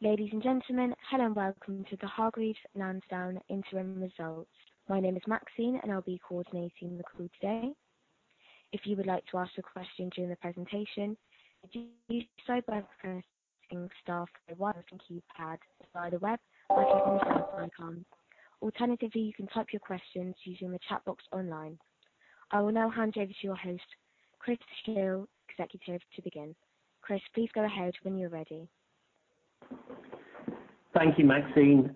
Ladies and gentlemen, hello and welcome to the Hargreaves Lansdown interim results. My name is Maxine. I'll be coordinating the call today. If you would like to ask a question during the presentation, do so by pressing star one on the keypad, via the web, or by raising your hand icon. Alternatively, you can type your questions using the chat box online. I will now hand over to your host, Chris Hill, executive, to begin. Chris, please go ahead when you're ready. Thank you, Maxine.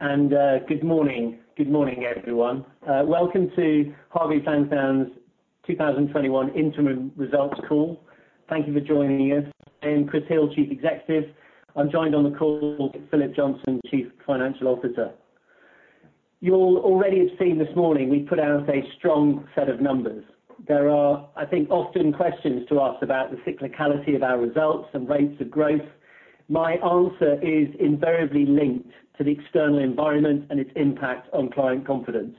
Good morning. Good morning, everyone. Welcome to Hargreaves Lansdown's 2021 interim results call. Thank you for joining us. I'm Chris Hill, Chief Executive. I'm joined on the call with Philip Johnson, Chief Financial Officer. You all already have seen this morning, we put out a strong set of numbers. There are, I think, often questions to ask about the cyclicality of our results and rates of growth. My answer is invariably linked to the external environment and its impact on client confidence.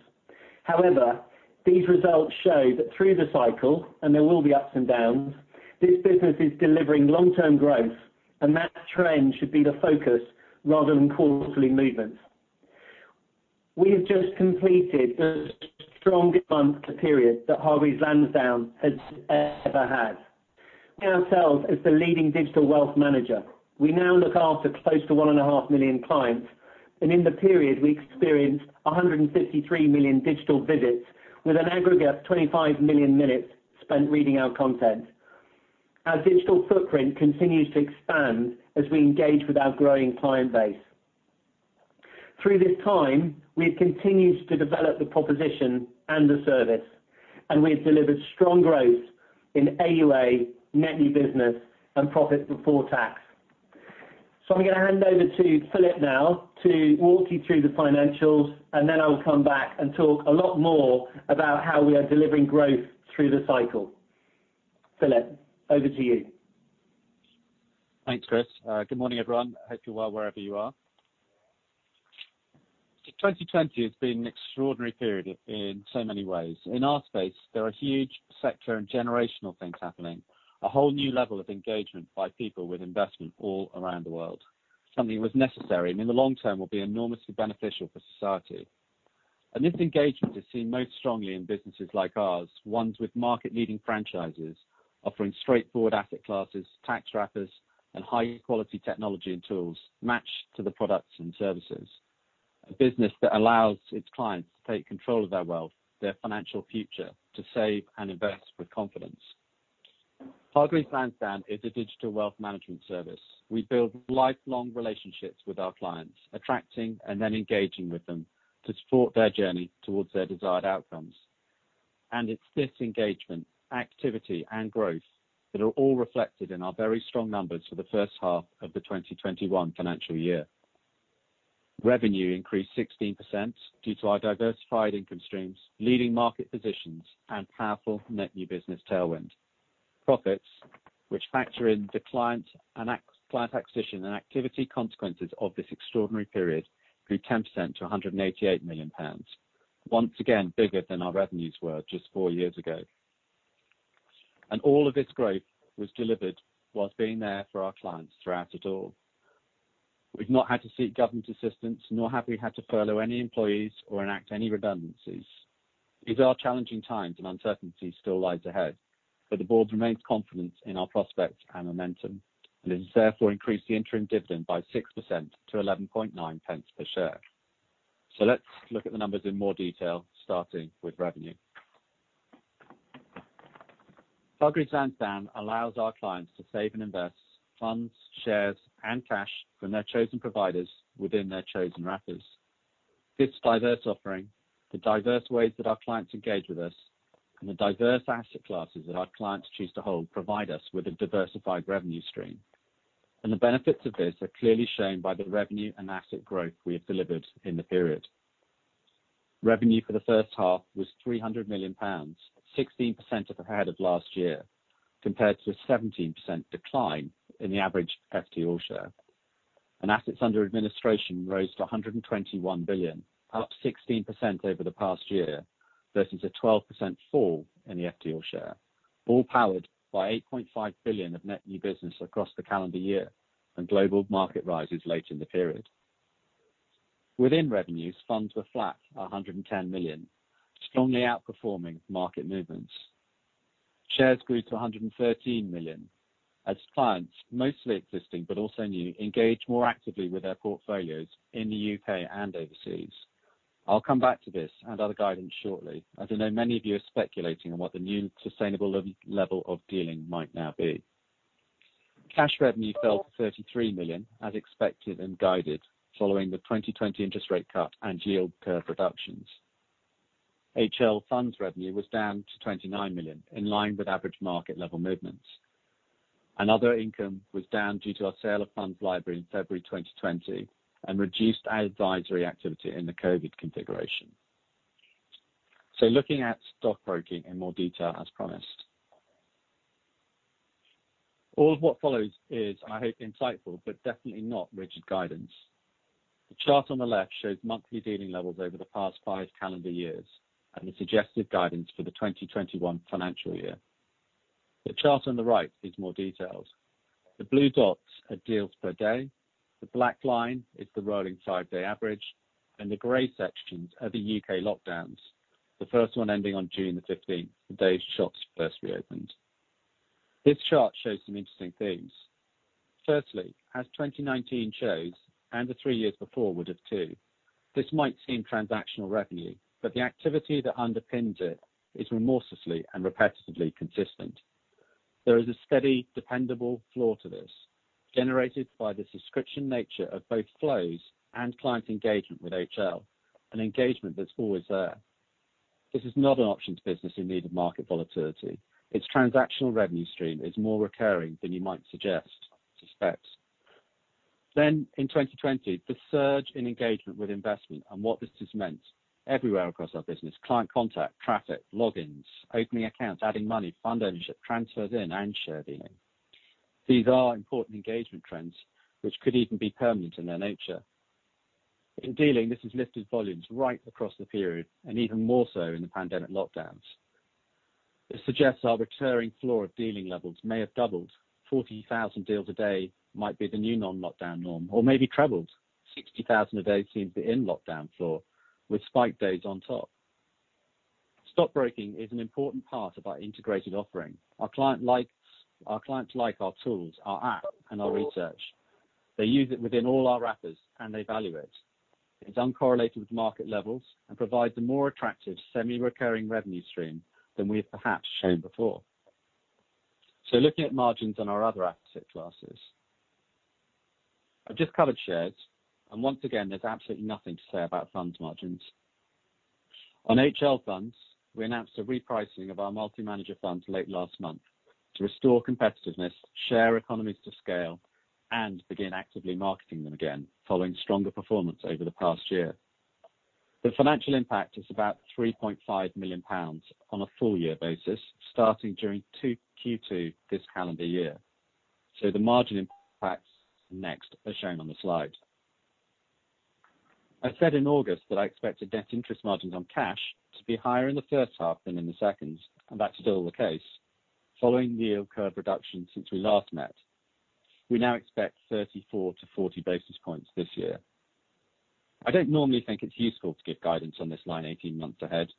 However, these results show that through the cycle, and there will be ups and downs, this business is delivering long-term growth, and that trend should be the focus rather than quarterly movements. We have just completed the strongest month to period that Hargreaves Lansdown has ever had. We now stand as the leading digital wealth manager. We now look after close to 1.5 million clients, and in the period, we experienced 153 million digital visits with an aggregate 25 million minutes spent reading our content. Our digital footprint continues to expand as we engage with our growing client base. Through this time, we have continued to develop the proposition and the service, and we've delivered strong growth in AUA, net new business, and profits before tax. I'm going to hand over to Philip now to walk you through the financials. Then I will come back and talk a lot more about how we are delivering growth through the cycle. Philip, over to you. Thanks, Chris. Good morning, everyone. I hope you're well wherever you are. 2020 has been an extraordinary period in so many ways. In our space, there are huge sector and generational things happening. A whole new level of engagement by people with investment all around the world. Something was necessary, and in the long term, will be enormously beneficial for society. This engagement is seen most strongly in businesses like ours, ones with market-leading franchises, offering straightforward asset classes, tax wrappers, and high-quality technology and tools matched to the products and services. A business that allows its clients to take control of their wealth, their financial future, to save and invest with confidence. Hargreaves Lansdown is a digital wealth management service. We build lifelong relationships with our clients, attracting and then engaging with them to support their journey towards their desired outcomes. It's this engagement, activity, and growth that are all reflected in our very strong numbers for the first half of the 2021 financial year. Revenue increased 16% due to our diversified income streams, leading market positions, and powerful net new business tailwind. Profits, which factor in declines and client acquisition and activity consequences of this extraordinary period, grew 10% to 188 million pounds. Once again, bigger than our revenues were just four years ago. All of this growth was delivered whilst being there for our clients throughout it all. We've not had to seek government assistance, nor have we had to furlough any employees or enact any redundancies. These are challenging times, and uncertainty still lies ahead, but the board remains confident in our prospects and momentum and has therefore increased the interim dividend by 6% to 11.9p per share. Let's look at the numbers in more detail, starting with revenue. Hargreaves Lansdown allows our clients to save and invest funds, shares, and cash from their chosen providers within their chosen wrappers. This diverse offering, the diverse ways that our clients engage with us, and the diverse asset classes that our clients choose to hold provide us with a diversified revenue stream. The benefits of this are clearly shown by the revenue and asset growth we have delivered in the period. Revenue for the first half was 300 million pounds, 16% up ahead of last year, compared to a 17% decline in the average FTSE share. Assets under administration rose to 121 billion, up 16% over the past year versus a 12% fall in the FTSE share, all powered by 8.5 billion of net new business across the calendar year and global market rises late in the period. Within revenues, funds were flat at 110 million, strongly outperforming market movements. Shares grew to 113 million as clients, mostly existing but also new, engaged more actively with their portfolios in the U.K. and overseas. I'll come back to this and other guidance shortly, as I know many of you are speculating on what the new sustainable level of dealing might now be. Cash revenue fell to 33 million as expected and guided following the 2020 interest rate cut and yield curve reductions. HL Funds revenue was down to 29 million, in line with average market level movements, and other income was down due to our sale of Funds Library in February 2020 and reduced advisory activity in the COVID configuration. Looking at stockbroking in more detail, as promised. All of what follows is, I hope, insightful but definitely not rigid guidance. The chart on the left shows monthly dealing levels over the past five calendar years and the suggested guidance for the 2021 financial year. The chart on the right is more detailed. The blue dots are deals per day, the black line is the rolling five-day average, and the gray sections are the U.K. lockdowns, the first one ending on June the 15th, the day shops first reopened. This chart shows some interesting things. Firstly, as 2019 shows, and the three years before would have too, this might seem transactional revenue, but the activity that underpins it is remorselessly and repetitively consistent. There is a steady, dependable floor to this, generated by the subscription nature of both flows and client engagement with HL, an engagement that's always there. This is not an options business in need of market volatility. Its transactional revenue stream is more recurring than you might suspect. In 2020, the surge in engagement with investment and what this has meant everywhere across our business, client contact, traffic, logins, opening accounts, adding money, fund ownership, transfers in, and share dealing. These are important engagement trends which could even be permanent in their nature. In dealing, this has lifted volumes right across the period, and even more so in the pandemic lockdowns. This suggests our recurring floor of dealing levels may have doubled. 40,000 deals a day might be the new non-lockdown norm, or maybe trebled. 60,000 a day seems the in-lockdown floor with spike days on top. Stockbroking is an important part of our integrated offering. Our clients like our tools, our app, and our research. They use it within all our wrappers and they value it. It is uncorrelated with market levels and provides a more attractive semi-recurring revenue stream than we have perhaps shown before. Looking at margins on our other asset classes. I have just covered shares, and once again, there is absolutely nothing to say about funds margins. On HL Funds, we announced a repricing of our multi-manager funds late last month to restore competitiveness, share economies to scale, and begin actively marketing them again following stronger performance over the past year. The financial impact is about 3.5 million pounds on a full year basis, starting during Q2 this calendar year. The margin impacts next are shown on the slide. I said in August that I expected net interest margins on cash to be higher in the first half than in the second, and that is still the case. Following the yield curve reduction since we last met, we now expect 34 to 40 basis points this year. I do not normally think it is useful to give guidance on this line 18 months ahead,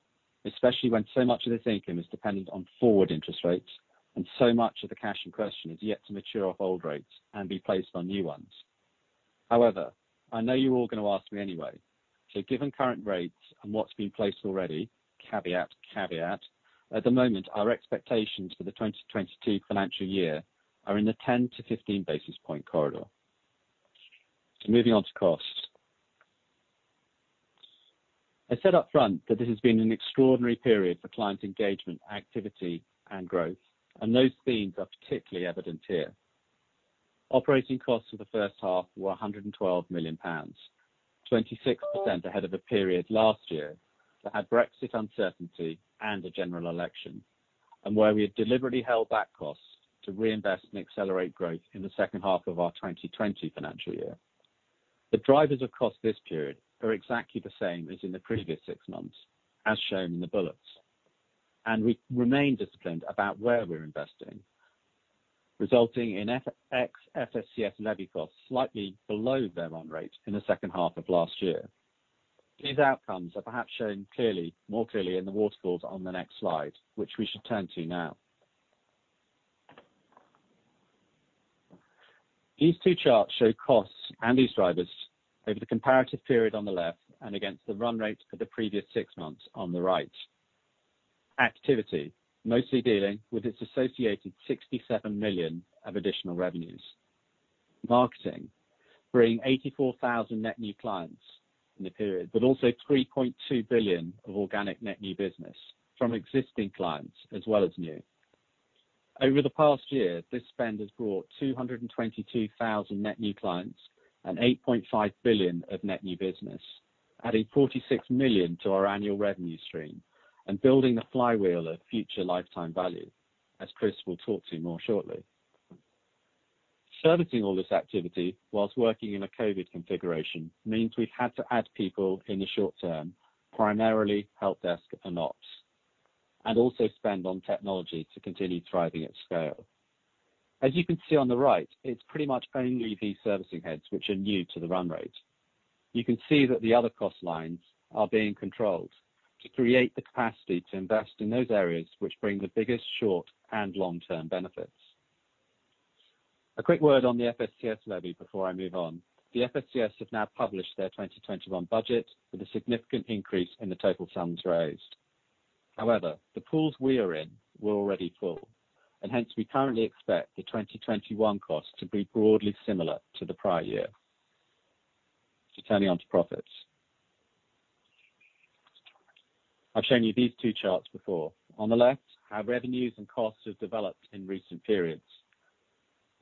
especially when so much of this income is dependent on forward interest rates and so much of the cash in question is yet to mature off old rates and be placed on new ones. However, I know you are all going to ask me anyway, given current rates and what has been placed already, caveat, at the moment, our expectations for the 2022 financial year are in the 10 to 15 basis point corridor. Moving on to costs. I said up front that this has been an extraordinary period for client engagement, activity, and growth, and those themes are particularly evident here. Operating costs for the first half were 112 million pounds. 26% ahead of the period last year that had Brexit uncertainty and a general election, and where we had deliberately held back costs to reinvest and accelerate growth in the second half of our 2020 financial year. The drivers across this period are exactly the same as in the previous six months, as shown in the bullets. We remain disciplined about where we are investing, resulting in ex FSCS levy costs slightly below their run rate in the second half of last year. These outcomes are perhaps shown more clearly in the waterfalls on the next slide, which we should turn to now. These two charts show costs and these drivers over the comparative period on the left and against the run rate for the previous six months on the right. Activity, mostly dealing with its associated 67 million of additional revenues. Marketing, bringing 84,000 net new clients in the period, but also 3.2 billion of organic net new business from existing clients as well as new. Over the past year, this spend has brought 222,000 net new clients and 8.5 billion of net new business, adding 46 million to our annual revenue stream and building the flywheel of future lifetime value, as Chris will talk to more shortly. Servicing all this activity whilst working in a COVID configuration means we've had to add people in the short term, primarily helpdesk and ops, and also spend on technology to continue thriving at scale. As you can see on the right, it's pretty much only these servicing heads which are new to the run rate. You can see that the other cost lines are being controlled to create the capacity to invest in those areas which bring the biggest short and long-term benefits. A quick word on the FSCS levy before I move on. The FSCS have now published their 2021 budget with a significant increase in the total sums raised. However, the pools we are in were already full, and hence we currently expect the 2021 cost to be broadly similar to the prior year. Turning on to profits. I've shown you these two charts before. On the left, how revenues and costs have developed in recent periods,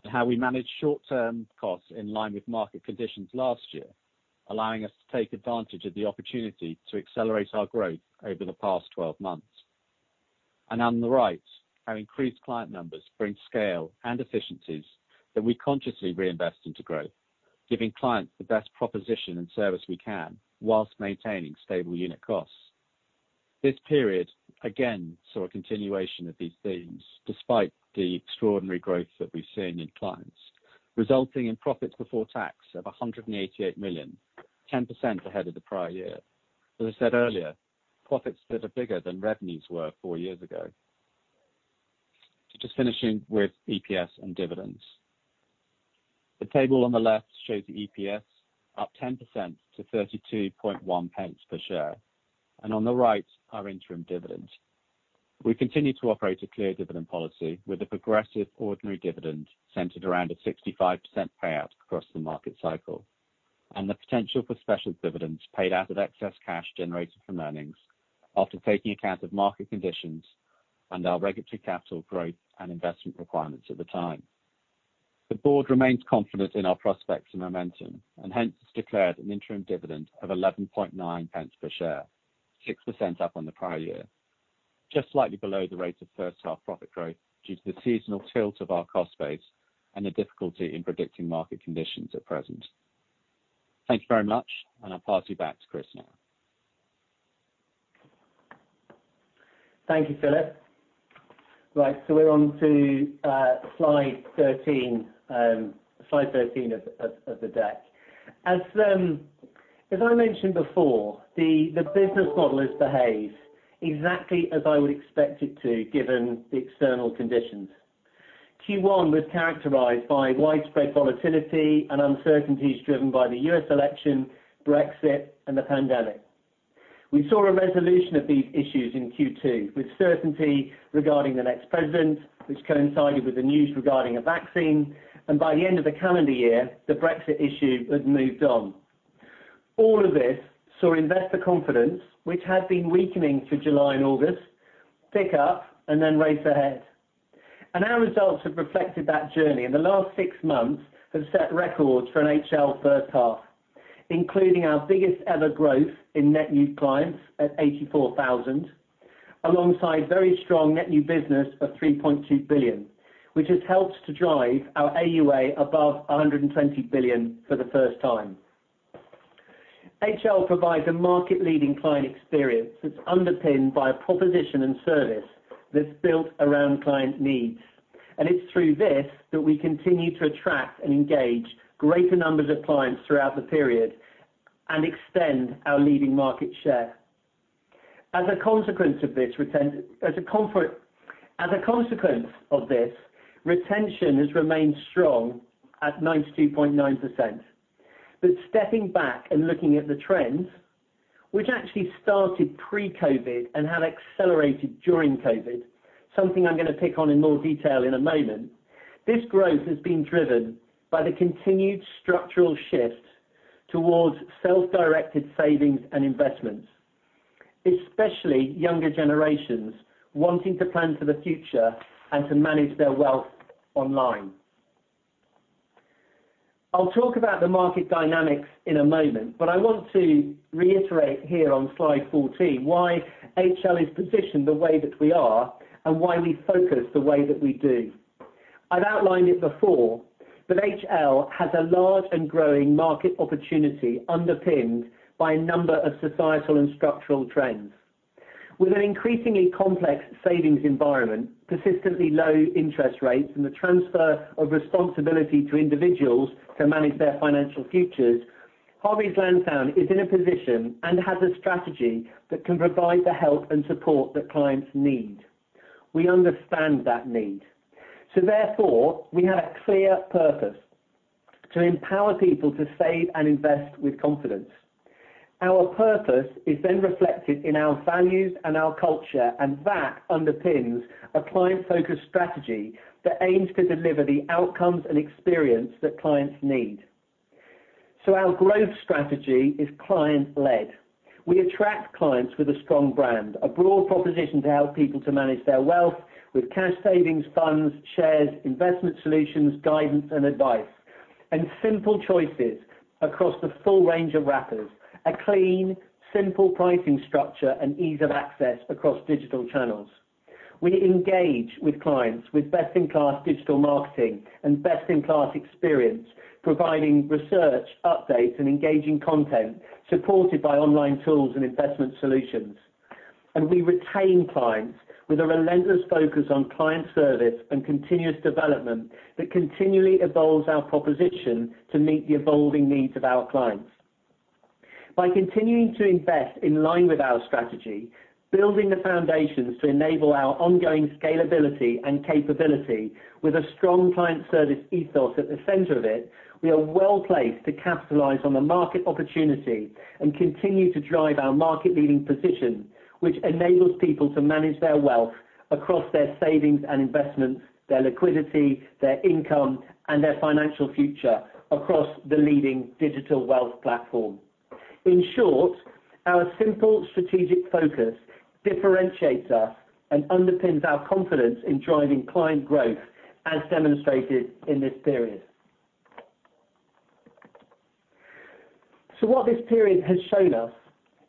and how we managed short-term costs in line with market conditions last year, allowing us to take advantage of the opportunity to accelerate our growth over the past 12 months. On the right, our increased client numbers bring scale and efficiencies that we consciously reinvest into growth, giving clients the best proposition and service we can whilst maintaining stable unit costs. This period, again, saw a continuation of these themes, despite the extraordinary growth that we've seen in clients, resulting in profits before tax of 188 million, 10% ahead of the prior year. As I said earlier, profits that are bigger than revenues were four years ago. Just finishing with EPS and dividends. The table on the left shows the EPS up 10% to 0.321 per share, and on the right, our interim dividend. We continue to operate a clear dividend policy with a progressive ordinary dividend centered around a 65% payout across the market cycle, and the potential for special dividends paid out of excess cash generated from earnings after taking account of market conditions and our regulatory capital growth and investment requirements at the time. The board remains confident in our prospects and momentum and hence has declared an interim dividend of 0.119 per share, 6% up on the prior year. Just slightly below the rate of first half profit growth due to the seasonal tilt of our cost base and the difficulty in predicting market conditions at present. Thank you very much, and I'll pass you back to Chris now. Thank you, Philip. We are on to slide 13 of the deck. As I mentioned before, the business model has behaved exactly as I would expect it to, given the external conditions. Q1 was characterized by widespread volatility and uncertainties driven by the U.S. election, Brexit, and the pandemic. We saw a resolution of these issues in Q2, with certainty regarding the next president, which coincided with the news regarding a vaccine, and by the end of the calendar year, the Brexit issue had moved on. All of this saw investor confidence, which had been weakening through July and August, pick up and then race ahead. Our results have reflected that journey, and the last six months have set records for an HL first half, including our biggest ever growth in net new clients at 84,000, alongside very strong net new business of 3.2 billion, which has helped to drive our AUA above 120 billion for the first time. HL provides a market-leading client experience that is underpinned by a proposition and service that is built around client needs. It is through this that we continue to attract and engage greater numbers of clients throughout the period and extend our leading market share. As a consequence of this, retention has remained strong at 92.9%. Stepping back and looking at the trends, which actually started pre-COVID and have accelerated during COVID, something I am going to pick on in more detail in a moment, this growth has been driven by the continued structural shift towards self-directed savings and investments. Especially younger generations wanting to plan for the future and to manage their wealth online. I will talk about the market dynamics in a moment, I want to reiterate here on slide 14 why HL is positioned the way that we are and why we focus the way that we do. I have outlined it before, HL has a large and growing market opportunity underpinned by a number of societal and structural trends. With an increasingly complex savings environment, persistently low interest rates, and the transfer of responsibility to individuals to manage their financial futures, Hargreaves Lansdown is in a position and has a strategy that can provide the help and support that clients need. We understand that need. Therefore, we have a clear purpose: to empower people to save and invest with confidence. Our purpose is reflected in our values and our culture, that underpins a client-focused strategy that aims to deliver the outcomes and experience that clients need. Our growth strategy is client-led. We attract clients with a strong brand, a broad proposition to help people to manage their wealth with cash savings, funds, shares, investment solutions, guidance and advice, and simple choices across the full range of wrappers. A clean, simple pricing structure and ease of access across digital channels. We engage with clients with best-in-class digital marketing and best-in-class experience, providing research, updates, and engaging content supported by online tools and investment solutions. We retain clients with a relentless focus on client service and continuous development that continually evolves our proposition to meet the evolving needs of our clients. By continuing to invest in line with our strategy, building the foundations to enable our ongoing scalability and capability with a strong client service ethos at the center of it, we are well-placed to capitalize on the market opportunity and continue to drive our market-leading position, which enables people to manage their wealth across their savings and investments, their liquidity, their income, and their financial future across the leading digital wealth platform. In short, our simple strategic focus differentiates us and underpins our confidence in driving client growth as demonstrated in this period. What this period has shown us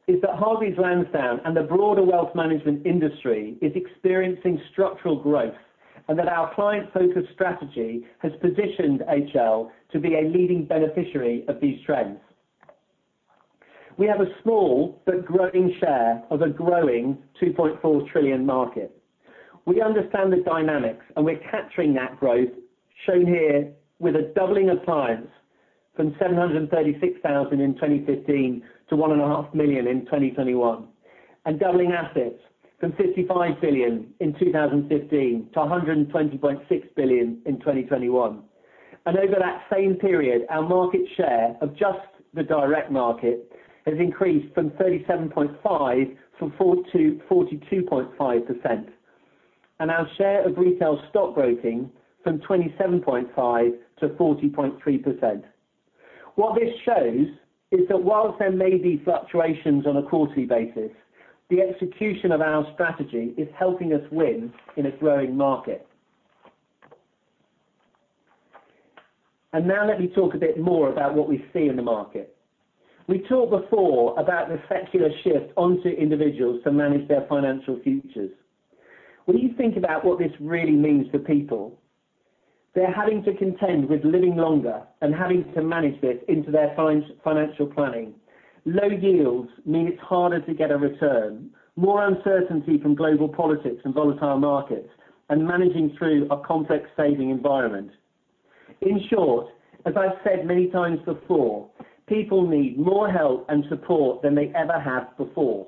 is that Hargreaves Lansdown and the broader wealth management industry is experiencing structural growth, and that our client-focused strategy has positioned HL to be a leading beneficiary of these trends. We have a small but growing share of a growing 2.4 trillion market. We understand the dynamics, and we're capturing that growth, shown here with a doubling of clients from 736,000 in 2015 to 1.5 million in 2021, and doubling assets from 55 billion in 2015 to 120.6 billion in 2021. Over that same period, our market share of just the direct market has increased from 37.5 from 4 to 42.5%. Our share of retail stockbroking from 27.5% to 40.3%. What this shows is that while there may be fluctuations on a quarterly basis, the execution of our strategy is helping us win in a growing market. Now let me talk a bit more about what we see in the market. We talked before about the secular shift onto individuals to manage their financial futures. When you think about what this really means for people, they're having to contend with living longer and having to manage this into their financial planning. Low yields mean it's harder to get a return, more uncertainty from global politics and volatile markets, and managing through a complex saving environment. In short, as I've said many times before, people need more help and support than they ever have before.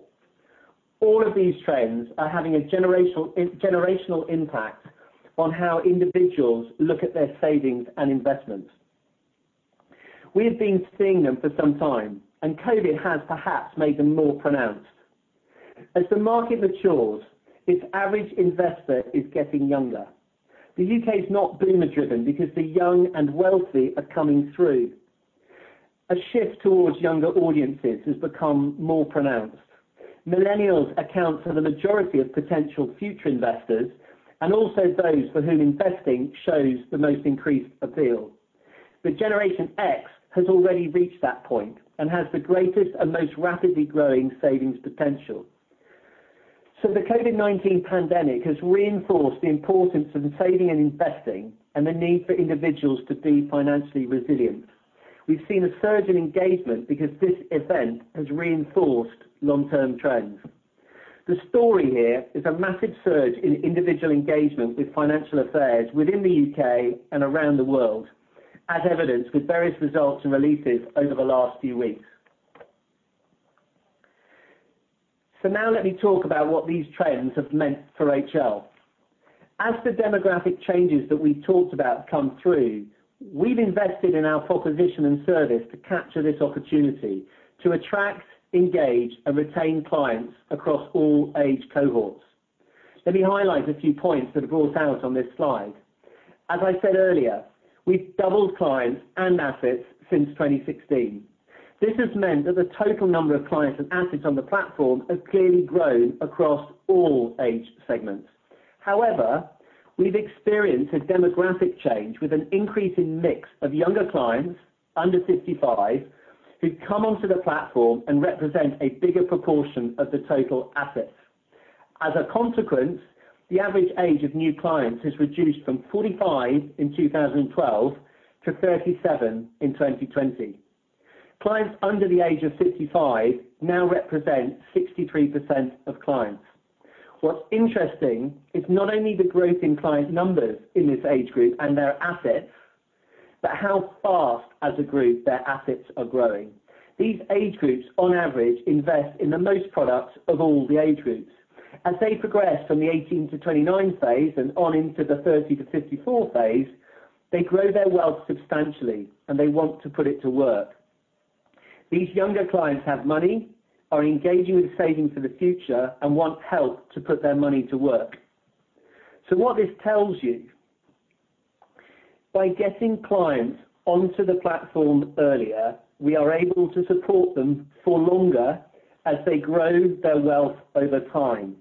All of these trends are having a generational impact on how individuals look at their savings and investments. We have been seeing them for some time, and COVID has perhaps made them more pronounced. As the market matures, its average investor is getting younger. The U.K. is not boomer-driven because the young and wealthy are coming through. A shift towards younger audiences has become more pronounced. Millennials account for the majority of potential future investors and also those for whom investing shows the most increased appeal. Generation X has already reached that point and has the greatest and most rapidly growing savings potential. The COVID-19 pandemic has reinforced the importance of saving and investing and the need for individuals to be financially resilient. We've seen a surge in engagement because this event has reinforced long-term trends. The story here is a massive surge in individual engagement with financial affairs within the U.K. and around the world, as evidenced with various results and releases over the last few weeks. Now let me talk about what these trends have meant for HL. As the demographic changes that we talked about come through, we've invested in our proposition and service to capture this opportunity to attract, engage, and retain clients across all age cohorts. Let me highlight a few points that are brought out on this slide. As I said earlier, we've doubled clients and assets since 2016. This has meant that the total number of clients and assets on the platform have clearly grown across all age segments. However, we've experienced a demographic change with an increase in mix of younger clients under 55, who've come onto the platform and represent a bigger proportion of the total assets. As a consequence, the average age of new clients has reduced from 45 in 2012 to 37 in 2020. Clients under the age of 55 now represent 63% of clients. What's interesting is not only the growth in client numbers in this age group and their assets, but how fast as a group their assets are growing. These age groups, on average, invest in the most products of all the age groups. As they progress from the 18 to 29 phase and on into the 30 to 54 phase, they grow their wealth substantially, and they want to put it to work. These younger clients have money, are engaging with saving for the future, and want help to put their money to work. What this tells you, by getting clients onto the platform earlier, we are able to support them for longer as they grow their wealth over time,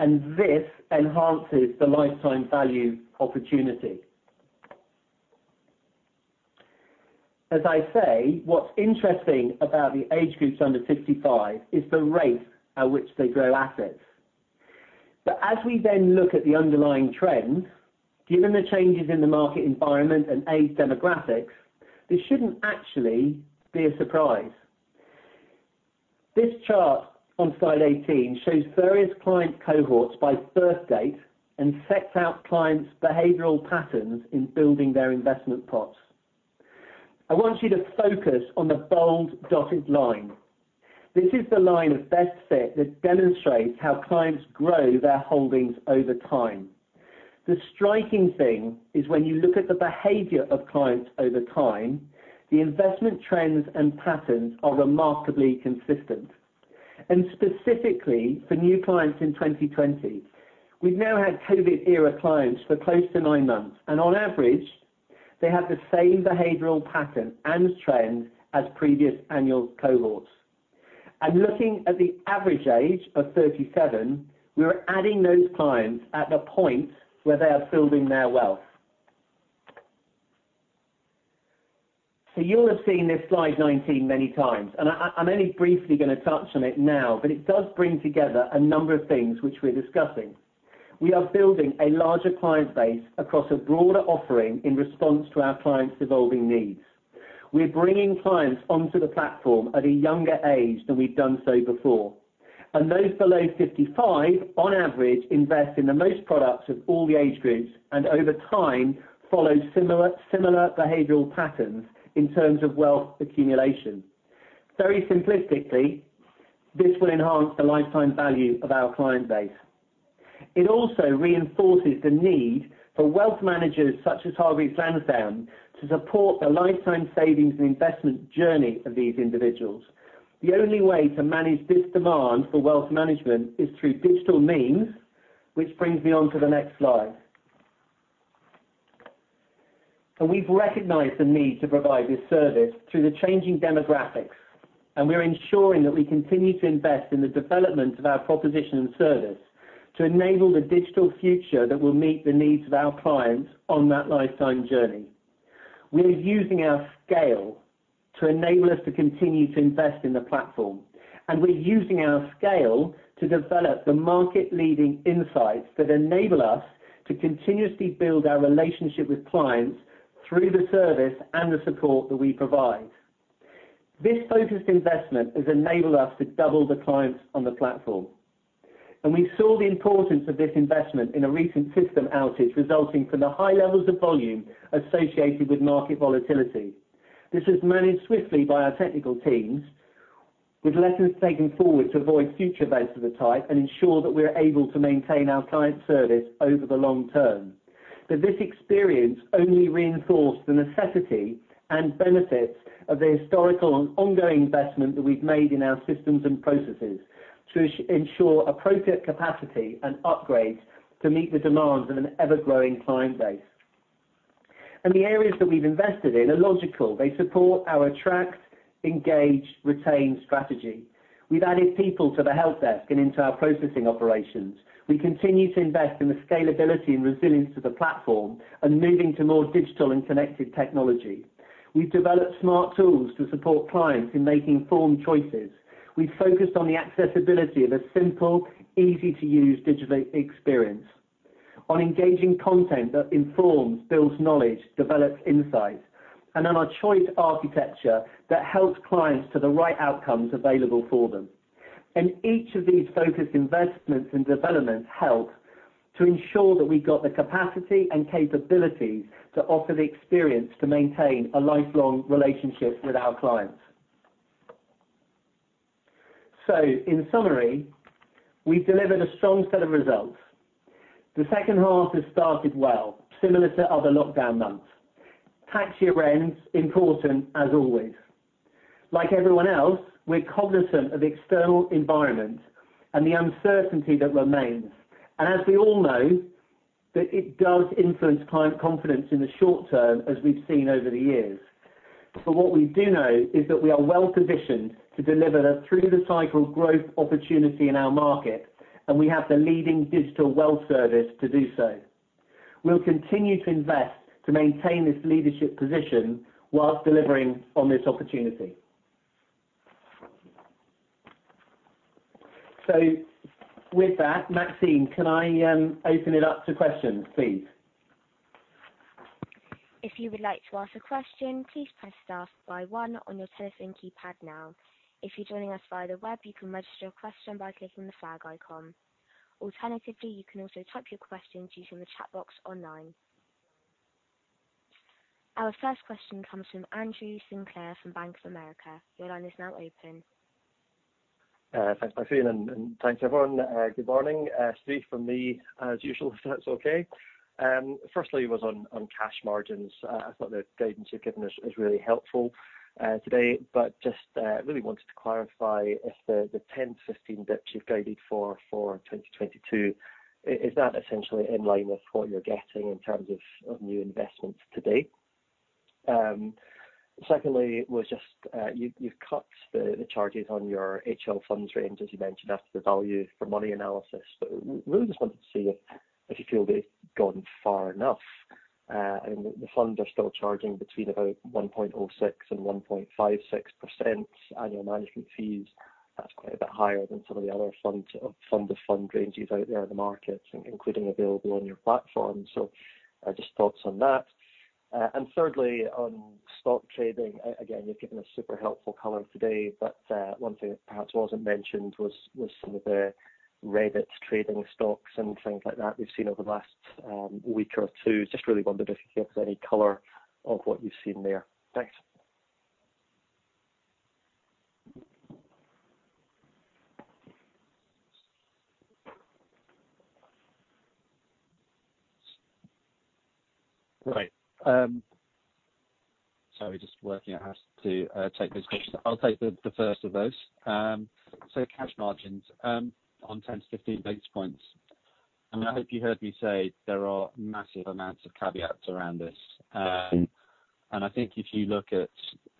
and this enhances the lifetime value opportunity. As I say, what's interesting about the age groups under 55 is the rate at which they grow assets. As we then look at the underlying trends, given the changes in the market environment and age demographics, this shouldn't actually be a surprise. This chart on slide 18 shows various client cohorts by birth date and sets out clients' behavioral patterns in building their investment pots. I want you to focus on the bold dotted line. This is the line of best fit that demonstrates how clients grow their holdings over time. The striking thing is when you look at the behavior of clients over time, the investment trends and patterns are remarkably consistent. Specifically for new clients in 2020, we've now had COVID-era clients for close to nine months, and on average, they have the same behavioral pattern and trends as previous annual cohorts. Looking at the average age of 37, we are adding those clients at the point where they are building their wealth. You will have seen this slide 19 many times, and I'm only briefly going to touch on it now, but it does bring together a number of things which we're discussing. We are building a larger client base across a broader offering in response to our clients' evolving needs. We're bringing clients onto the platform at a younger age than we've done so before. Those below 55, on average, invest in the most products of all the age groups, and over time follow similar behavioral patterns in terms of wealth accumulation. Very simplistically, this will enhance the lifetime value of our client base. It also reinforces the need for wealth managers such as Hargreaves Lansdown to support the lifetime savings and investment journey of these individuals. The only way to manage this demand for wealth management is through digital means, which brings me on to the next slide. We've recognized the need to provide this service through the changing demographics. We are ensuring that we continue to invest in the development of our proposition and service to enable the digital future that will meet the needs of our clients on that lifetime journey. We are using our scale to enable us to continue to invest in the platform. We're using our scale to develop the market-leading insights that enable us to continuously build our relationship with clients through the service and the support that we provide. This focused investment has enabled us to double the clients on the platform. We saw the importance of this investment in a recent system outage resulting from the high levels of volume associated with market volatility. This was managed swiftly by our technical teams, with lessons taken forward to avoid future events of the type and ensure that we're able to maintain our client service over the long term. This experience only reinforced the necessity and benefits of the historical and ongoing investment that we've made in our systems and processes to ensure appropriate capacity and upgrades to meet the demands of an ever-growing client base. The areas that we've invested in are logical. They support our attract, engage, retain strategy. We've added people to the help desk and into our processing operations. We continue to invest in the scalability and resilience of the platform and moving to more digital and connected technology. We've developed smart tools to support clients in making informed choices. We've focused on the accessibility of a simple, easy-to-use digital experience, on engaging content that informs, builds knowledge, develops insight, on our choice architecture that helps clients to the right outcomes available for them. Each of these focused investments and developments help to ensure that we've got the capacity and capabilities to offer the experience to maintain a lifelong relationship with our clients. In summary, we've delivered a strong set of results. The second half has started well, similar to other lockdown months. Tax year end, important as always. Like everyone else, we're cognizant of the external environment and the uncertainty that remains. As we all know, that it does influence client confidence in the short term, as we've seen over the years. What we do know is that we are well-positioned to deliver a through-the-cycle growth opportunity in our market. We have the leading digital wealth service to do so. We'll continue to invest to maintain this leadership position whilst delivering on this opportunity. With that, Maxine, can I open it up to questions, please? If you would like to ask a question, please press star by one on your telephone keypad now. If you're joining us via the web, you can register your question by clicking the flag icon. Alternatively, you can also type your questions using the chat box online. Our first question comes from Andrew Sinclair from Bank of America. Your line is now open. Thanks, Maxine, and thanks everyone. Good morning. Three from me as usual, if that's okay. Firstly was on cash margins. I thought the guidance you've given us is really helpful today. Just really wanted to clarify if the 10, 15 basis points you've guided for 2022, is that essentially in line with what you're getting in terms of new investments to date? Secondly was just you've cut the charges on your HL funds range, as you mentioned, after the value for money analysis. Really just wanted to see if you feel they've gone far enough. The funds are still charging between about 1.06% and 1.56% annual management fees. That's quite a bit higher than some of the other fund of fund ranges out there in the market, including available on your platform. Just thoughts on that. Thirdly, on stock trading, again, you've given us super helpful color today, one thing that perhaps wasn't mentioned was some of the Reddit trading stocks and things like that we've seen over the last week or two. Just really wondered if you have any color of what you've seen there. Thanks. Right. Sorry, just working out how to take those questions. I'll take the first of those. Cash margins on 10 to 15 basis points. I hope you heard me say there are massive amounts of caveats around this. If you look at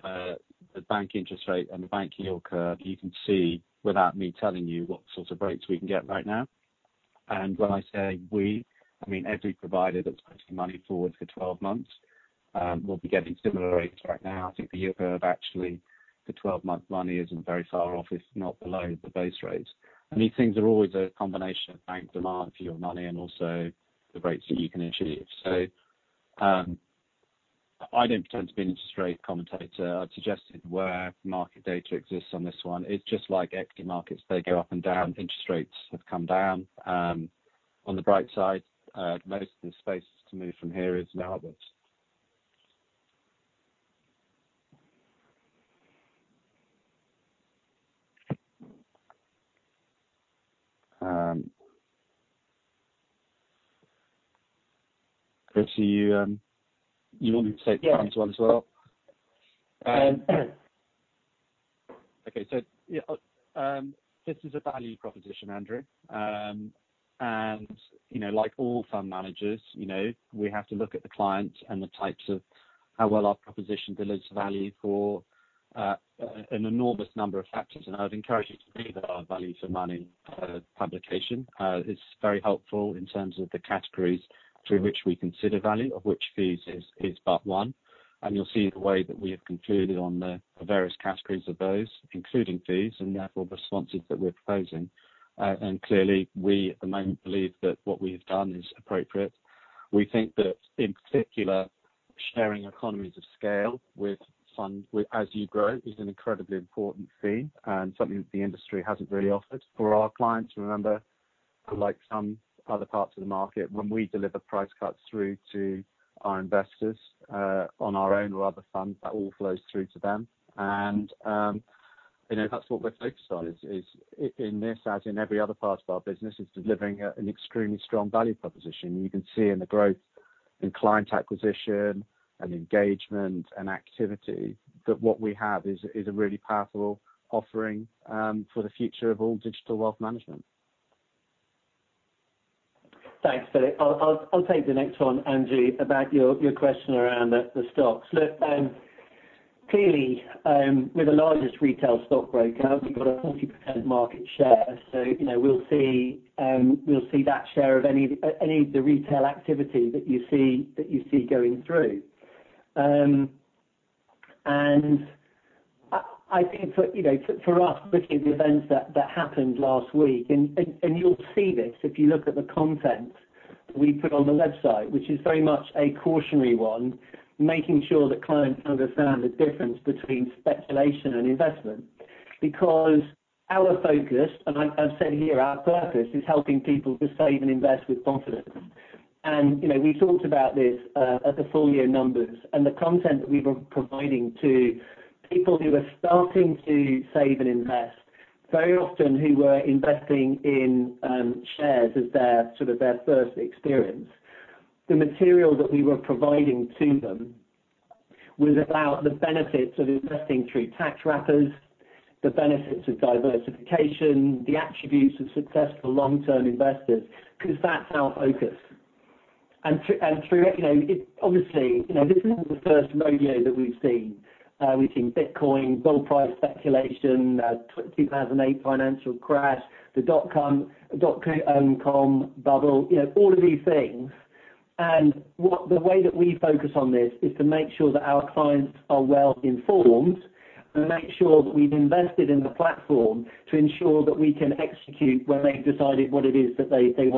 the bank interest rate and the bank yield curve, you can see without me telling you what sorts of breaks we can get right now. When I say we, I mean every provider that's putting money forward for 12 months will be getting similar rates right now. I think the yield curve actually for 12-month money isn't very far off, if not below the base rates. These things are always a combination of bank demand for your money and also the rates that you can achieve. I don't pretend to be an interest rate commentator. I'd suggest if market data exists on this one, it's just like equity markets, they go up and down. Interest rates have come down. On the bright side, most of the space to move from here is downwards. Kristy, you want me to take this one as well? Yeah. Okay. This is a value proposition, Andrew. Like all fund managers, we have to look at the client and the types of how well our proposition delivers value for an enormous number of factors. I would encourage you to read our value for money publication. It's very helpful in terms of the categories through which we consider value, of which fees is but one. You'll see the way that we have concluded on the various categories of those, including fees, and therefore the responses that we're proposing. Clearly, we at the moment believe that what we have done is appropriate. We think that in particular, sharing economies of scale as you grow is an incredibly important fee and something that the industry hasn't really offered for our clients. Remember, unlike some other parts of the market, when we deliver price cuts through to our investors, on our own or other funds, that all flows through to them. That's what we're focused on is, in this as in every other part of our business, is delivering an extremely strong value proposition. You can see in the growth in client acquisition and engagement and activity, that what we have is a really powerful offering for the future of all digital wealth management. Thanks, Philip. I'll take the next one, Andrew, about your question around the stocks. Clearly, we're the largest retail stockbroker. We've got a 40% market share. We'll see that share of any of the retail activity that you see going through. I think for us, looking at the events that happened last week, and you'll see this if you look at the content we put on the website, which is very much a cautionary one, making sure that clients understand the difference between speculation and investment. Our focus, and I've said here, our purpose, is helping people to save and invest with confidence. We talked about this at the full year numbers and the content that we were providing to people who were starting to save and invest, very often who were investing in shares as their sort of their first experience. The material that we were providing to them was about the benefits of investing through tax wrappers, the benefits of diversification, the attributes of successful long-term investors, that's our focus. Obviously, this isn't the first rodeo that we've seen. We've seen Bitcoin, gold price speculation, 2008 financial crash, the dot-com bubble, all of these things. The way that we focus on this is to make sure that our clients are well-informed and make sure that we've invested in the platform to ensure that we can execute when they've decided what it is that they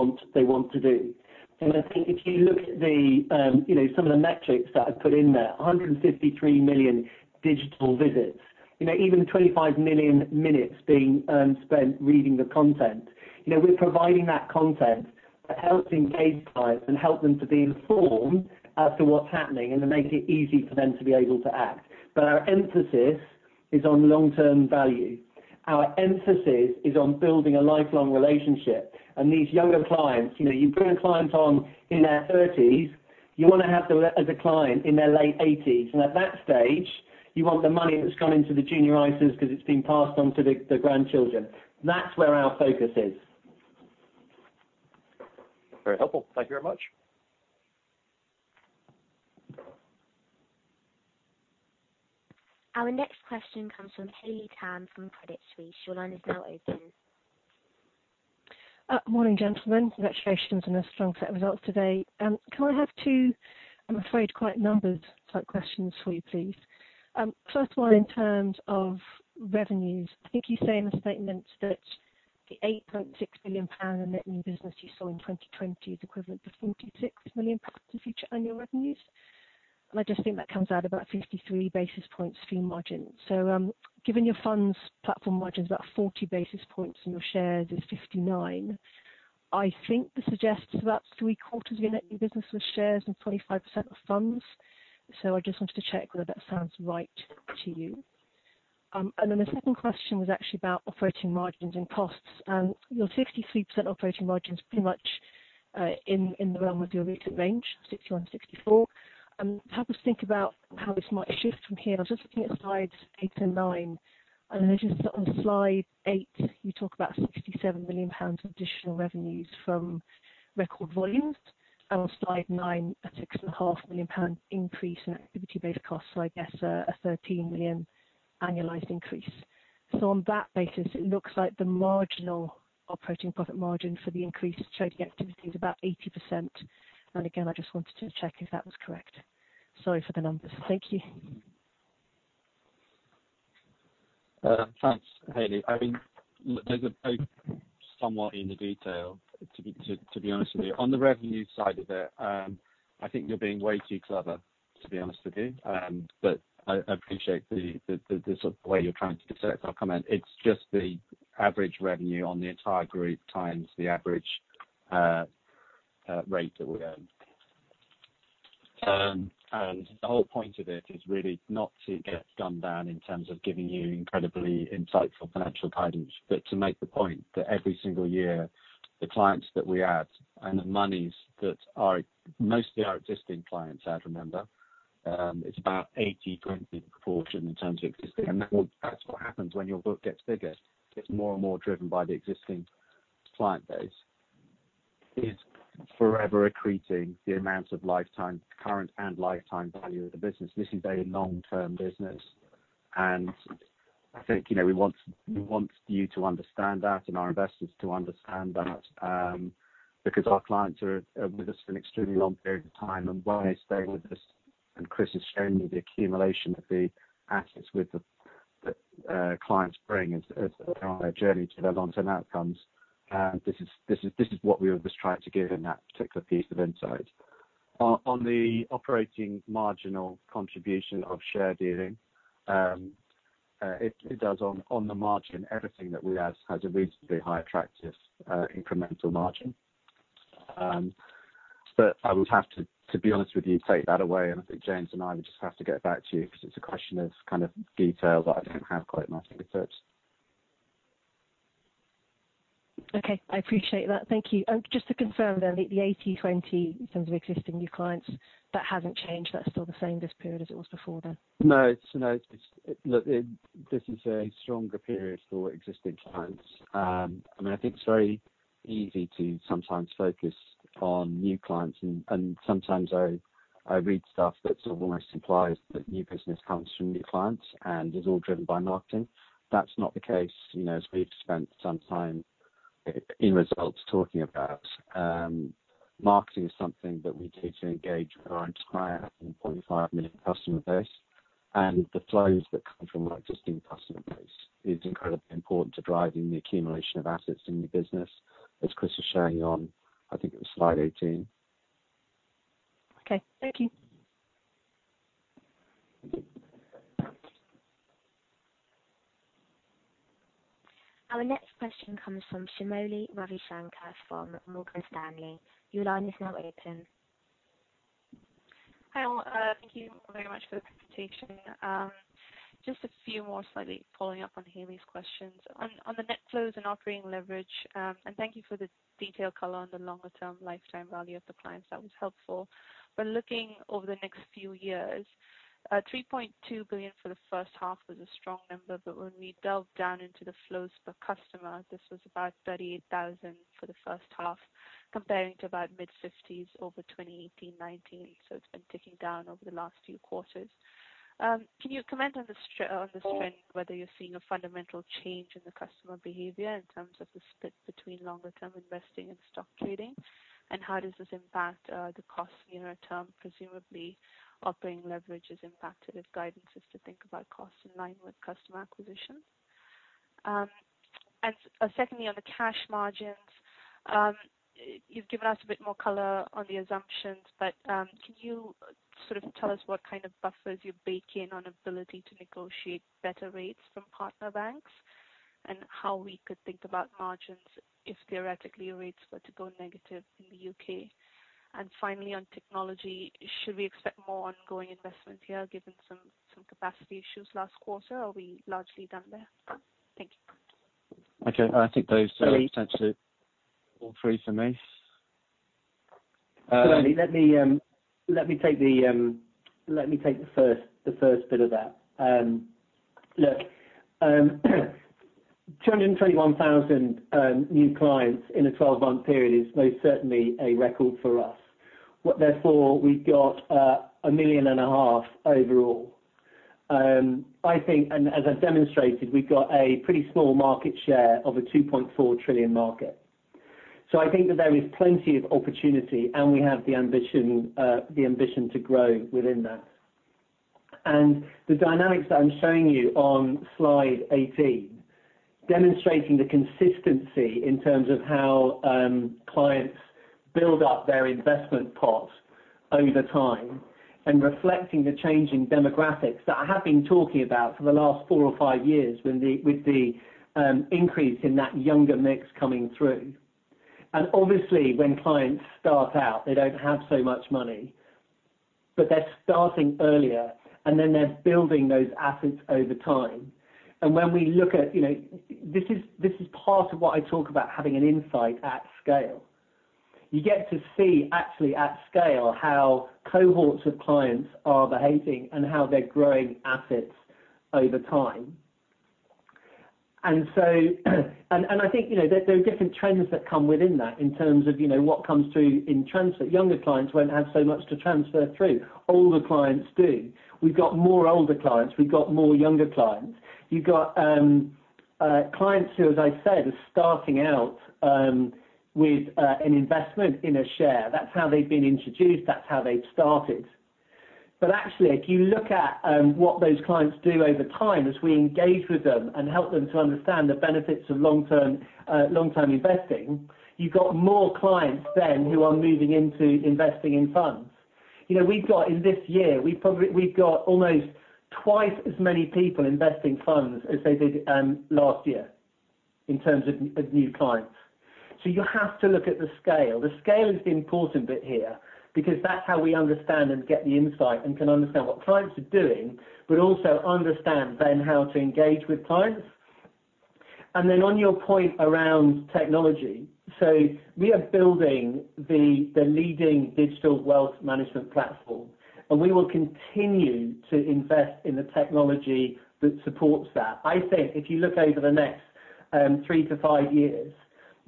want to do. I think if you look at some of the metrics that I've put in there, 153 million digital visits. Even 25 million minutes being spent reading the content. We're providing that content that helps engage clients and help them to be informed as to what's happening and to make it easy for them to be able to act. Our emphasis is on long-term value. Our emphasis is on building a lifelong relationship. These younger clients, you bring a client on in their thirties, you want to have them as a client in their late eighties. At that stage, you want the money that's gone into the Junior ISAs because it's been passed on to the grandchildren. That's where our focus is. Very helpful. Thank you very much. Our next question comes from Hilary Tam from Credit Suisse. Your line is now open. Morning, gentlemen. Congratulations on a strong set of results today. Can I have two, I'm afraid, quite numbers type questions for you, please? First one in terms of revenues. I think you say in the statement that the 8.6 billion pound in net new business you saw in 2020 is equivalent to 46 million pounds of future annual revenues. I just think that comes out about 53 basis points fee margin. Given your funds platform margin is about 40 basis points and your shares is 59, I think this suggests about three-quarters of your net new business was shares and 25% was funds. I just wanted to check whether that sounds right to you. The second question was actually about operating margins and costs. Your 63% operating margin is pretty much in the realm of your recent range, 61, 64. Help us think about how this might shift from here. I was just looking at slides eight and nine, I noticed that on slide eight, you talk about 67 million pounds of additional revenues from record volumes. On slide nine, a 6.5 million pound increase in activity-based costs, so I guess a 13 million annualized increase. On that basis, it looks like the marginal operating profit margin for the increased trading activity is about 80%. Again, I just wanted to check if that was correct. Sorry for the numbers. Thank you. Thanks, Hayley. Those are both somewhat in the detail, to be honest with you. On the revenue side of it, I think you're being way too clever, to be honest with you. I appreciate the way you're trying to research our comment. It's just the average revenue on the entire group times the average rate that we earn. The whole point of it is really not to get gum down in terms of giving you incredibly insightful financial guidance, but to make the point that every single year, the clients that we add and the monies that are mostly our existing clients, I'd remember, it's about 80/20 proportion in terms of existing. That's what happens when your book gets bigger. It's more and more driven by the existing client base. Is forever accreting the amount of current and lifetime value of the business. This is a long-term business, and I think we want you to understand that and our investors to understand that, because our clients are with us for an extremely long period of time, and while they're staying with us, and Chris has shown me the accumulation of the assets that clients bring on their journey to their long-term outcomes. This is what we were just trying to give in that particular piece of insight. On the operating marginal contribution of share dealing. It does on the margin, everything that we add has a reasonably high attractive incremental margin. I would have to be honest with you, take that away, and I think James and I would just have to get back to you because it's a question of kind of details I don't have quite at my fingertips. Okay, I appreciate that. Thank you. Just to confirm, the 80/20 in terms of existing new clients, that hasn't changed. That's still the same this period as it was before then. No. This is a stronger period for existing clients. I think it's very easy to sometimes focus on new clients, and sometimes I read stuff that almost implies that new business comes from new clients and is all driven by marketing. That's not the case, as we've spent some time in results talking about. Marketing is something that we do to engage with our entire 2.5 million customer base, and the flows that come from our existing customer base is incredibly important to driving the accumulation of assets in the business, as Chris was showing you on, I think it was slide 18. Okay. Thank you. Our next question comes from Shimoli Ravishankar from Morgan Stanley. Your line is now open. Hi all. Thank you very much for the presentation. Just a few more slightly following up on Hayley's questions. On the net flows and operating leverage. Thank you for the detailed color on the longer-term lifetime value of the clients. That was helpful. Looking over the next few years, 3.2 billion for the first half was a strong number. When we delve down into the flows per customer, this was about 38,000 for the first half, comparing to about mid-50s over 2018/2019. It's been ticking down over the last few quarters. Can you comment on the strength, whether you're seeing a fundamental change in the customer behavior in terms of the split between longer-term investing and stock trading? How does this impact the cost nearer term, presumably operating leverage is impacted if guidance is to think about cost in line with customer acquisition? Secondly, on the cash margins, you've given us a bit more color on the assumptions, but can you sort of tell us what kind of buffers you bake in on ability to negotiate better rates from partner banks and how we could think about margins if theoretically rates were to go negative in the U.K.? Finally, on technology, should we expect more ongoing investments here given some capacity issues last quarter? Are we largely done there? Thank you. Okay. Jimmy tend to all three for me. Let me take the first bit of that. Look, 221,000 new clients in a 12-month period is most certainly a record for us. Therefore, we've got a million and a half overall. I think, as I've demonstrated, we've got a pretty small market share of a 2.4 trillion market. I think that there is plenty of opportunity and we have the ambition to grow within that. The dynamics that I'm showing you on slide 18, demonstrating the consistency in terms of how clients build up their investment pot over time and reflecting the changing demographics that I have been talking about for the last four or five years with the increase in that younger mix coming through. Obviously, when clients start out, they don't have so much money, but they're starting earlier and then they're building those assets over time. When we look at This is part of what I talk about having an insight at scale. You get to see actually at scale how cohorts of clients are behaving and how they're growing assets over time. I think there are different trends that come within that in terms of what comes through in transfer. Younger clients won't have so much to transfer through. Older clients do. We've got more older clients. We've got more younger clients. Clients who, as I said, are starting out with an investment in a share. That's how they've been introduced. That's how they've started. Actually, if you look at what those clients do over time, as we engage with them and help them to understand the benefits of long-term investing, you've got more clients then who are moving into investing in funds. In this year, we've got almost twice as many people investing funds as they did last year in terms of new clients. You have to look at the scale. The scale is the important bit here, because that's how we understand and get the insight, and can understand what clients are doing, but also understand then how to engage with clients. On your point around technology, we are building the leading digital wealth management platform, and we will continue to invest in the technology that supports that. I think if you look over the next three to five years,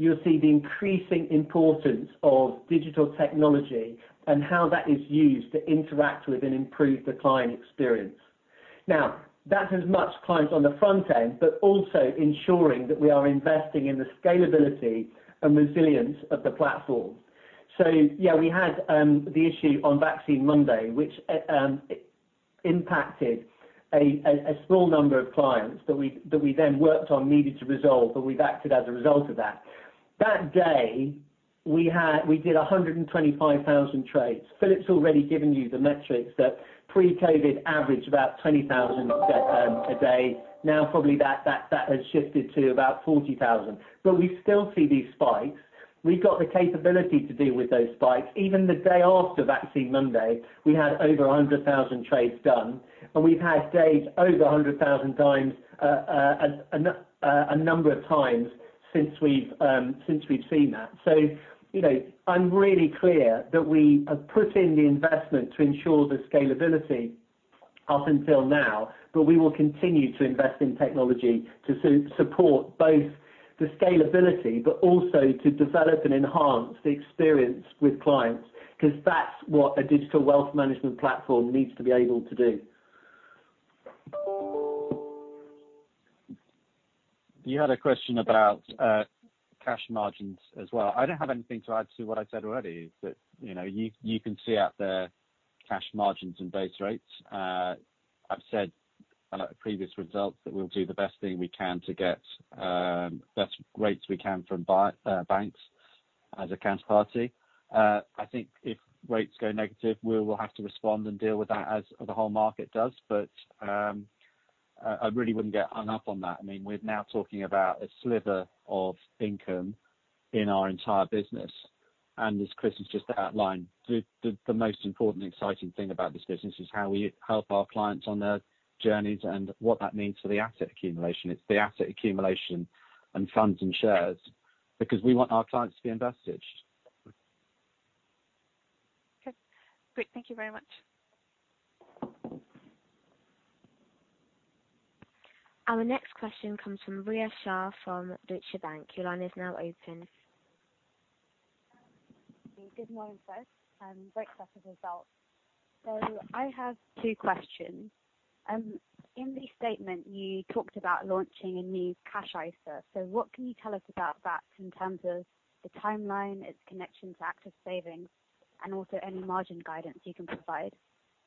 you'll see the increasing importance of digital technology and how that is used to interact with and improve the client experience. Now, that is much clients on the front end, but also ensuring that we are investing in the scalability and resilience of the platform. We had the issue on Vaccine Monday, which impacted a small number of clients that we then worked on, needed to resolve, and we've acted as a result of that. That day we did 125,000 trades. Philip's already given you the metrics that pre-COVID averaged about 20,000 a day. Now, probably that has shifted to about 40,000. We still see these spikes. We've got the capability to deal with those spikes. Even the day after Vaccine Monday, we had over 100,000 trades done, and we've had days over 100,000 a number of times since we've seen that. I'm really clear that we have put in the investment to ensure the scalability up until now, we will continue to invest in technology to support both the scalability, also to develop and enhance the experience with clients, because that's what a digital wealth management platform needs to be able to do. You had a question about cash margins as well. I don't have anything to add to what I said already. You can see out there cash margins and base rates. I've said at previous results that we'll do the best thing we can to get best rates we can from banks as a counterparty. I think if rates go negative, we'll have to respond and deal with that as the whole market does. I really wouldn't get hung up on that. We're now talking about a sliver of income in our entire business. As Chris has just outlined, the most important exciting thing about this business is how we help our clients on their journeys and what that means for the asset accumulation. It's the asset accumulation in funds and shares, because we want our clients to be invested. Okay, great. Thank you very much. Our next question comes from Ria Shah from Deutsche Bank. Your line is now open. Good morning, Chris. Great set of results. I have two questions. In the statement, you talked about launching a new Cash ISA. What can you tell us about that in terms of the timeline, its connection to Active Savings, and also any margin guidance you can provide?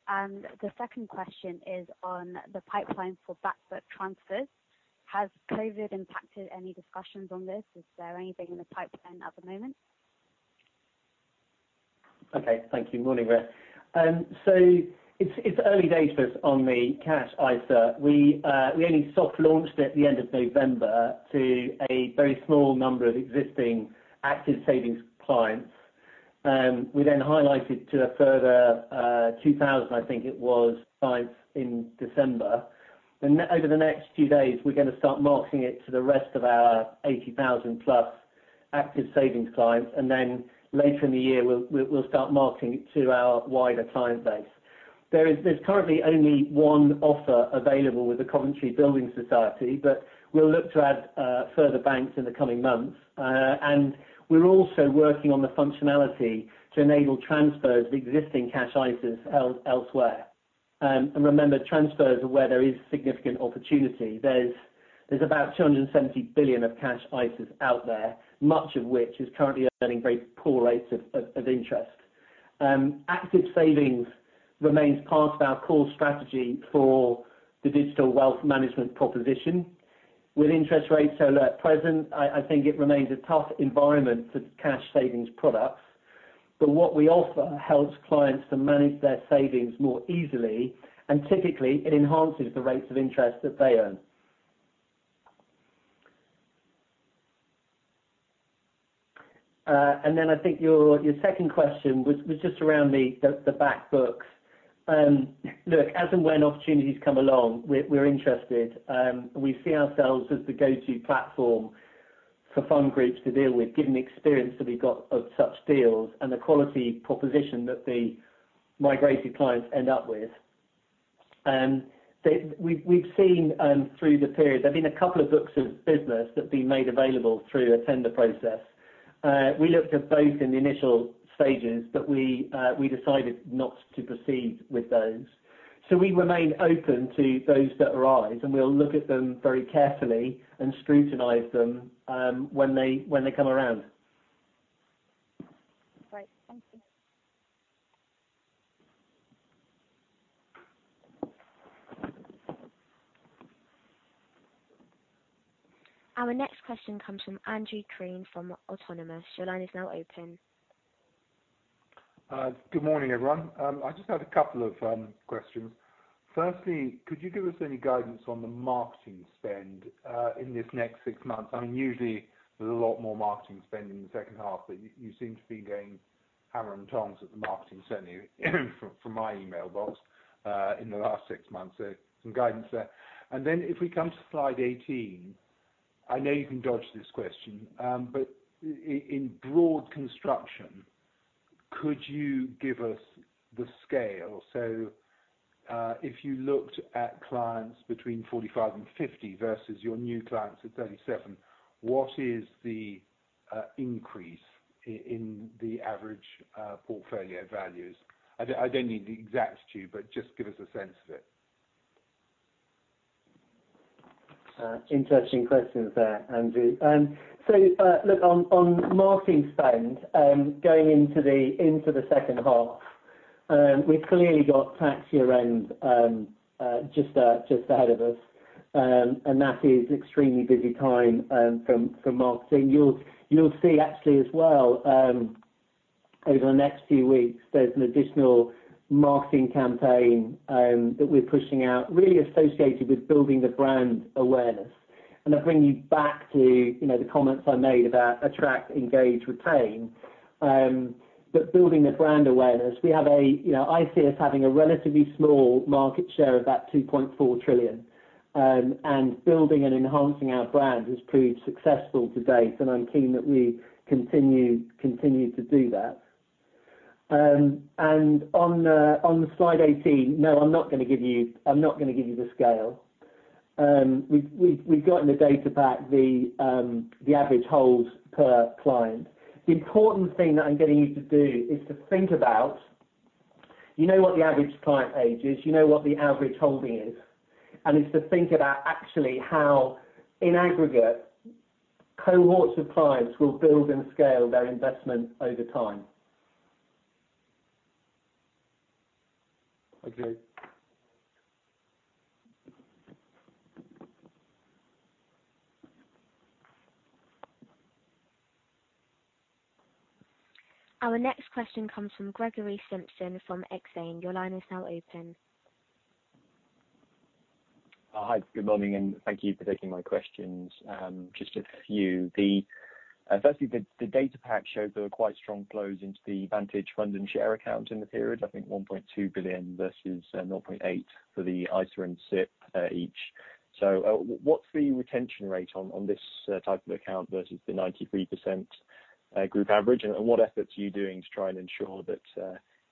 The second question is on the pipeline for back book transfers. Has COVID impacted any discussions on this? Is there anything in the pipeline at the moment? Okay. Thank you. Morning, Ria. It's early days for us on the Cash ISA. We only soft launched at the end of November to a very small number of existing Active Savings clients. We then highlighted to a further 2,000, I think it was, clients in December. Over the next few days, we're going to start marketing it to the rest of our 80,000 plus Active Savings clients. Later in the year, we'll start marketing it to our wider client base. There's currently only one offer available with the Coventry Building Society, but we'll look to add further banks in the coming months. We're also working on the functionality to enable transfers of existing Cash ISAs held elsewhere. Remember, transfers are where there is significant opportunity. There's about 270 billion of Cash ISAs out there, much of which is currently earning very poor rates of interest. Active Savings remains part of our core strategy for the digital wealth management proposition. With interest rates how they're at present, I think it remains a tough environment for cash savings products. What we offer helps clients to manage their savings more easily, and typically, it enhances the rates of interest that they earn. I think your second question was just around the back books. Look, as and when opportunities come along, we're interested. We see ourselves as the go-to platform for fund groups to deal with, given the experience that we've got of such deals and the quality proposition that the migrated clients end up with. We've seen through the period, there's been a couple of books of business that have been made available through a tender process. We looked at both in the initial stages, we decided not to proceed with those. We remain open to those that arise, and we'll look at them very carefully and scrutinize them when they come around. Great. Thank you. Our next question comes from Andrew Treen from Autonomous. Your line is now open. Good morning, everyone. I just had a couple of questions. Firstly, could you give us any guidance on the marketing spend in this next six months? Usually, there's a lot more marketing spend in the second half, you seem to be going hammer and tongs at the marketing spend from my email box in the last six months. If we come to slide 18, I know you can dodge this question, in broad construction, could you give us the scale? If you looked at clients between 45 and 50 versus your new clients at 37, what is the increase in the average portfolio values? I don't need the exactitude, just give us a sense of it. Interesting questions there, Andrew. Look, on marketing spend, going into the second half, we've clearly got tax year-end just ahead of us. That is extremely busy time from marketing. You'll see actually as well, over the next few weeks, there's an additional marketing campaign that we're pushing out, really associated with building the brand awareness. That'll bring you back to the comments I made about attract, engage, retain. Building the brand awareness, I see us having a relatively small market share of that 2.4 trillion. Building and enhancing our brand has proved successful to date, and I'm keen that we continue to do that. On slide 18, no, I'm not going to give you the scale. We've got in the data pack the average holds per client. The important thing that I'm getting you to do is to think about, you know what the average client age is, you know what the average holding is. It's to think about actually how, in aggregate, cohorts of clients will build and scale their investment over time. Okay. Our next question comes from Gregory Simpson from Exane. Your line is now open. Hi, good morning, and thank you for taking my questions. Just a few. Firstly, the data pack shows there were quite strong flows into the Vantage Fund and Share Account in the period, I think 1.2 billion versus 0.8 billion for the ISA and SIPP each. What's the retention rate on this type of account versus the 93% group average? What efforts are you doing to try and ensure that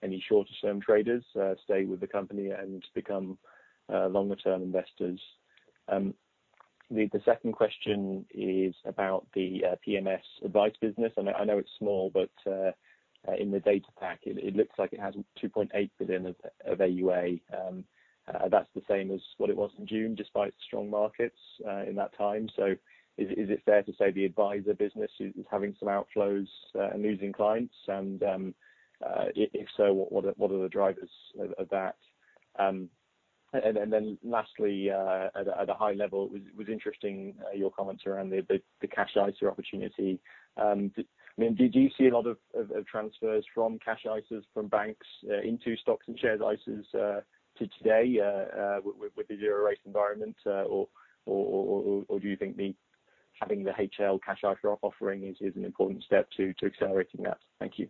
any shorter term traders stay with the company and become longer term investors? The second question is about the PMS advice business. I know it's small, but in the data pack, it looks like it has 2.8 billion of AUA. That's the same as what it was in June, despite the strong markets in that time. Is it fair to say the advisor business is having some outflows and losing clients? If so, what are the drivers of that? Then lastly, at a high level, it was interesting your comments around the Cash ISA opportunity. Did you see a lot of transfers from Cash ISAs from banks into stocks and shares ISAs today with the zero rates environment? Or do you think having the HL Cash ISA offering is an important step to accelerating that? Thank you.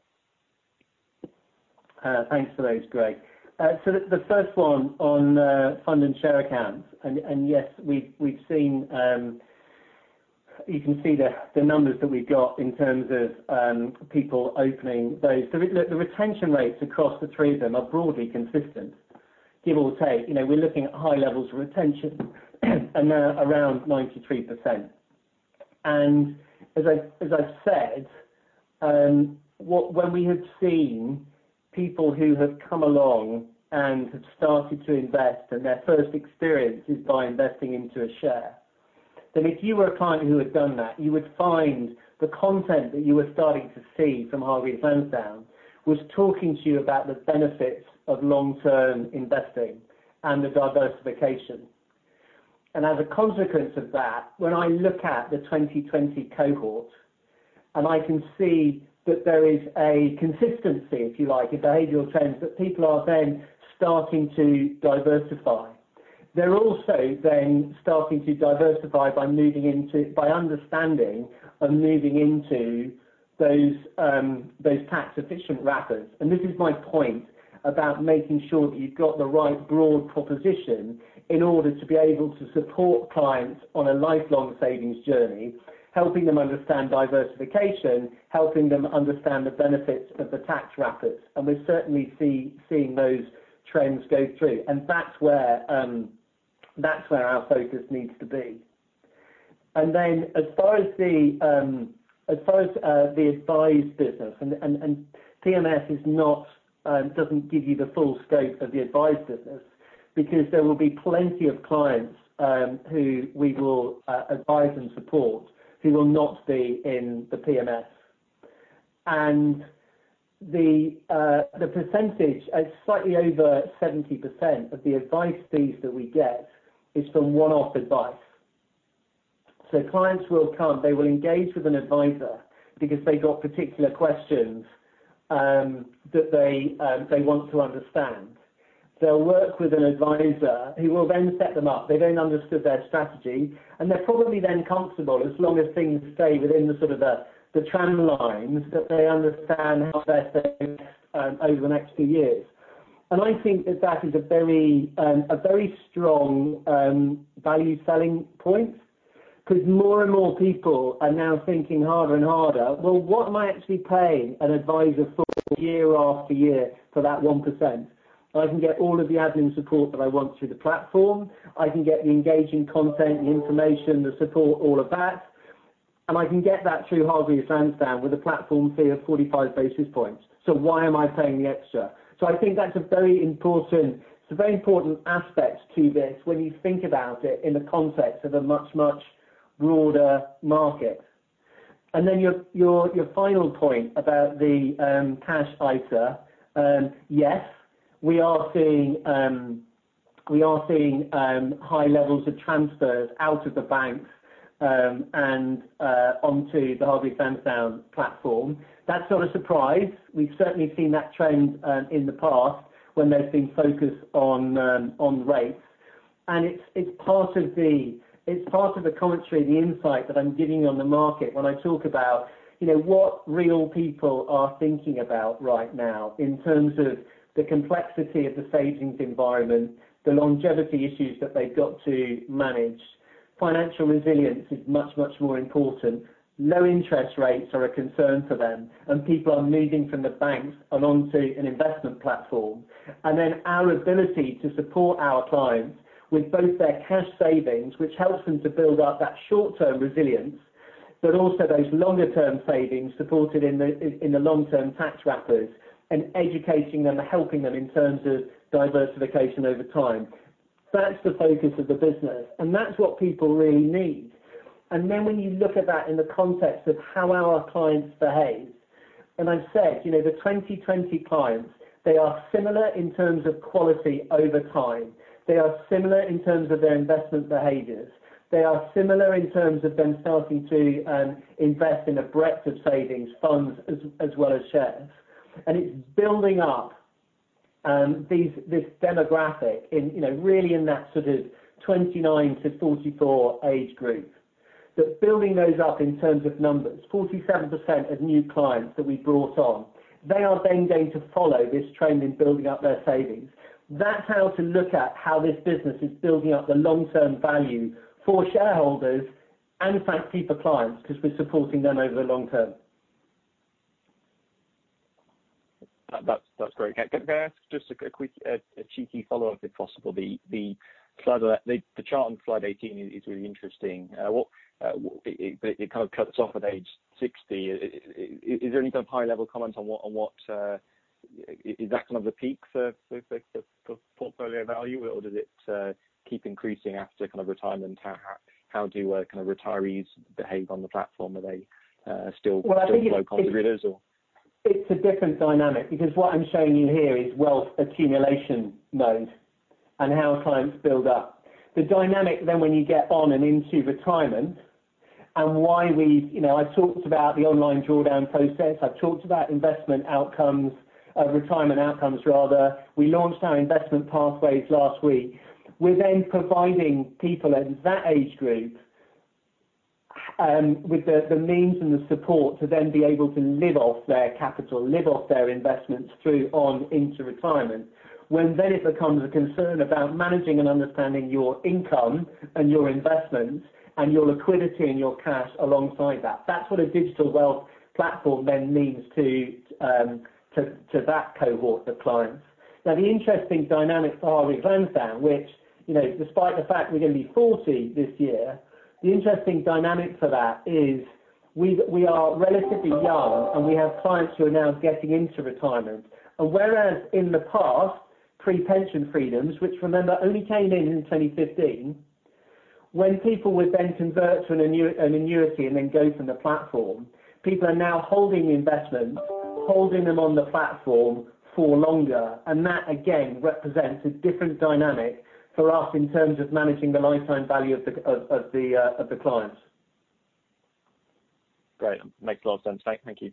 Thanks for those, Greg. The first one on Fund and Share Accounts. Yes, you can see the numbers that we've got in terms of people opening those. The retention rates across the three of them are broadly consistent. Give or take. We're looking at high levels of retention and they're around 93%. As I've said, when we have seen people who have come along and have started to invest and their first experience is by investing into a share, then if you were a client who had done that, you would find the content that you were starting to see from Hargreaves Lansdown was talking to you about the benefits of long-term investing and the diversification. As a consequence of that, when I look at the 2020 cohort, I can see that there is a consistency, if you like, a behavioral trend, that people are then starting to diversify. They're also then starting to diversify by understanding and moving into those tax-efficient wrappers. This is my point about making sure that you've got the right broad proposition in order to be able to support clients on a lifelong savings journey, helping them understand diversification, helping them understand the benefits of the tax wrappers. We're certainly seeing those trends go through. That's where our focus needs to be. Then as far as the advice business, PMS doesn't give you the full scope of the advice business because there will be plenty of clients who we will advise and support who will not be in the PMS. The percentage is slightly over 70% of the advice fees that we get is from one-off advice. Clients will come, they will engage with an advisor because they got particular questions that they want to understand. They'll work with an advisor who will then set them up. They then understood their strategy, and they're probably then comfortable as long as things stay within the sort of the tramlines that they understand how they're staying over the next few years. I think that that is a very strong value selling point because more and more people are now thinking harder and harder, "Well, what am I actually paying an advisor for year after year for that 1%? I can get all of the admin support that I want through the platform. I can get the engaging content, the information, the support, all of that, and I can get that through Hargreaves Lansdown with a platform fee of 45 basis points. Why am I paying the extra?" I think that's a very important aspect to this when you think about it in the context of a much, much broader market. Your final point about the Cash ISA. Yes, we are seeing high levels of transfers out of the banks and onto the Hargreaves Lansdown platform. That's not a surprise. We've certainly seen that trend in the past when there's been focus on rates. It's part of the commentary, the insight that I'm giving you on the market when I talk about what real people are thinking about right now in terms of the complexity of the savings environment, the longevity issues that they've got to manage. Financial resilience is much, much more important. Low-interest rates are a concern for them, and people are moving from the banks onto an investment platform. Our ability to support our clients with both their cash savings, which helps them to build up that short-term resilience, but also those longer-term savings supported in the long-term tax wrappers and educating them and helping them in terms of diversification over time. That's the focus of the business, and that's what people really need. When you look at that in the context of how our clients behave, and I've said, the 2020 clients, they are similar in terms of quality over time. They are similar in terms of their investment behaviors. They are similar in terms of them starting to invest in a breadth of savings funds as well as shares. It's building up this demographic really in that sort of 29 to 44 age group. Building those up in terms of numbers, 47% of new clients that we brought on, they are then going to follow this trend in building up their savings. That's how to look at how this business is building up the long-term value for shareholders and in fact, keep the clients because we're supporting them over the long term. That's great. Can I ask just a quick, a cheeky follow-up, if possible? The chart on slide 18 is really interesting. It kind of cuts off at age 60. Is there any sort of high-level comment on what Is that kind of the peak for portfolio value? Or does it keep increasing after retirement? How do retirees behave on the platform? Are they still? I think local to those or? It's a different dynamic because what I'm showing you here is wealth accumulation mode and how clients build up. The dynamic when you get on and into retirement and why we've talked about the online drawdown process. I've talked about investment outcomes, retirement outcomes rather. We launched our investment pathways last week. We're providing people in that age group with the means and the support to then be able to live off their capital, live off their investments through on into retirement. When it becomes a concern about managing and understanding your income and your investments and your liquidity and your cash alongside that. That's what a digital wealth platform means to that cohort of clients. The interesting dynamic for Hargreaves Lansdown which despite the fact we're going to be 40 this year, the interesting dynamic for that is we are relatively young, and we have clients who are now getting into retirement. Whereas in the past, pre-Pension Freedoms, which remember only came in in 2015, when people would convert to an annuity and go from the platform, people are now holding the investments, holding them on the platform for longer. That again, represents a different dynamic for us in terms of managing the lifetime value of the clients. Great. Makes a lot of sense. Thank you.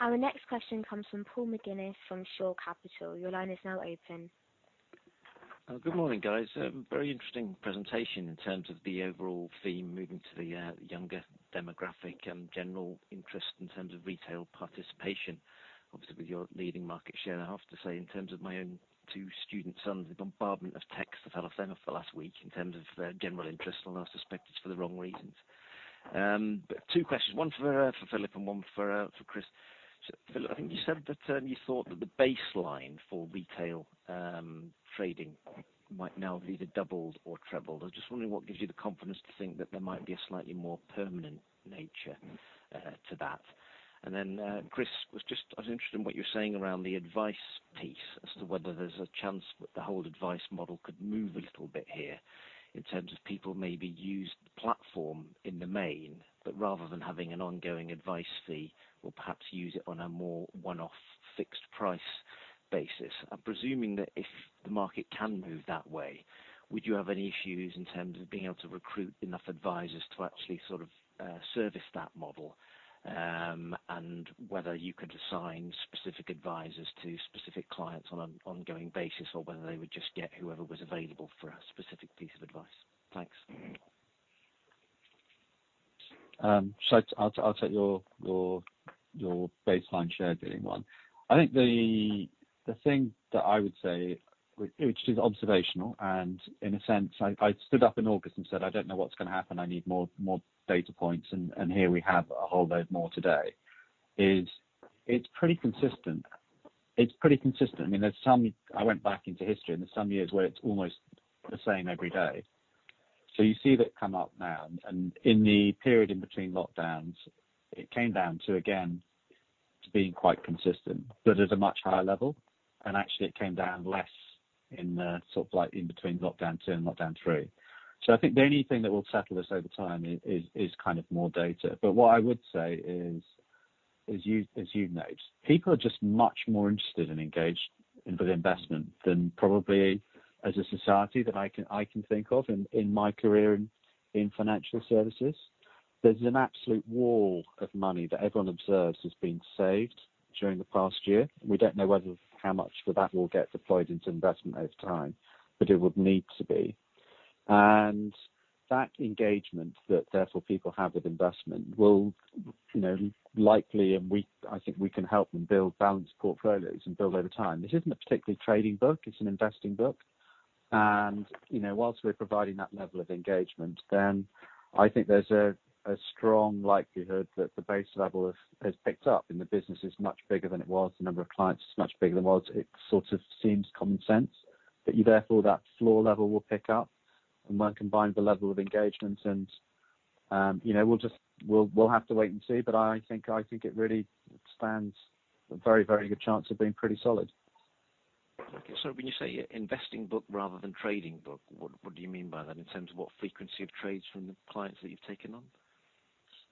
Our next question comes from Paul McGuinness from Shore Capital. Your line is now open. Good morning, guys. Very interesting presentation in terms of the overall theme, moving to the younger demographic and general interest in terms of retail participation, obviously with your leading market share. I have to say, in terms of my own two student sons, the bombardment of texts I've had off them for the last week in terms of their general interest, and I suspect it's for the wrong reasons. Two questions. One for Philip and one for Chris. Philip, I think you said that you thought that the baseline for retail trading might now have either doubled or trebled. I was just wondering what gives you the confidence to think that there might be a slightly more permanent nature to that. Chris, I was interested in what you were saying around the advice piece as to whether there's a chance that the whole advice model could move a little bit here in terms of people maybe use the platform in the main, but rather than having an ongoing advice fee or perhaps use it on a more one-off fixed price basis. I'm presuming that if the market can move that way, would you have any issues in terms of being able to recruit enough advisors to actually sort of service that model, and whether you could assign specific advisors to specific clients on an ongoing basis or whether they would just get whoever was available for a specific piece of advice. Thanks. I'll take your baseline share dealing one. I think the thing that I would say, which is observational and in a sense, I stood up in August and said, "I don't know what's going to happen. I need more data points." Here we have a whole load more today, is it's pretty consistent. I went back into history, and there's some years where it's almost the same every day. You see that come up now, and in the period in between lockdowns, it came down to, again, to being quite consistent, but at a much higher level. Actually it came down less in the sort of like in between lockdown two and lockdown three. I think the only thing that will settle this over time is kind of more data. What I would say is, as you've noted, people are just much more interested and engaged in the investment than probably as a society that I can think of in my career in financial services. There's an absolute wall of money that everyone observes has been saved during the past year. We don't know how much of that will get deployed into investment over time, but it would need to be. That engagement that therefore people have with investment will likely, and I think we can help them build balanced portfolios and build over time. This isn't a particularly trading book, it's an investing book. Whilst we're providing that level of engagement, then I think there's a strong likelihood that the base level has picked up and the business is much bigger than it was. The number of clients is much bigger than it was. It sort of seems common sense that therefore that floor level will pick up and when combined with the level of engagement and we'll have to wait and see, but I think it really stands a very good chance of being pretty solid. Okay. When you say investing book rather than trading book, what do you mean by that in terms of what frequency of trades from the clients that you've taken on?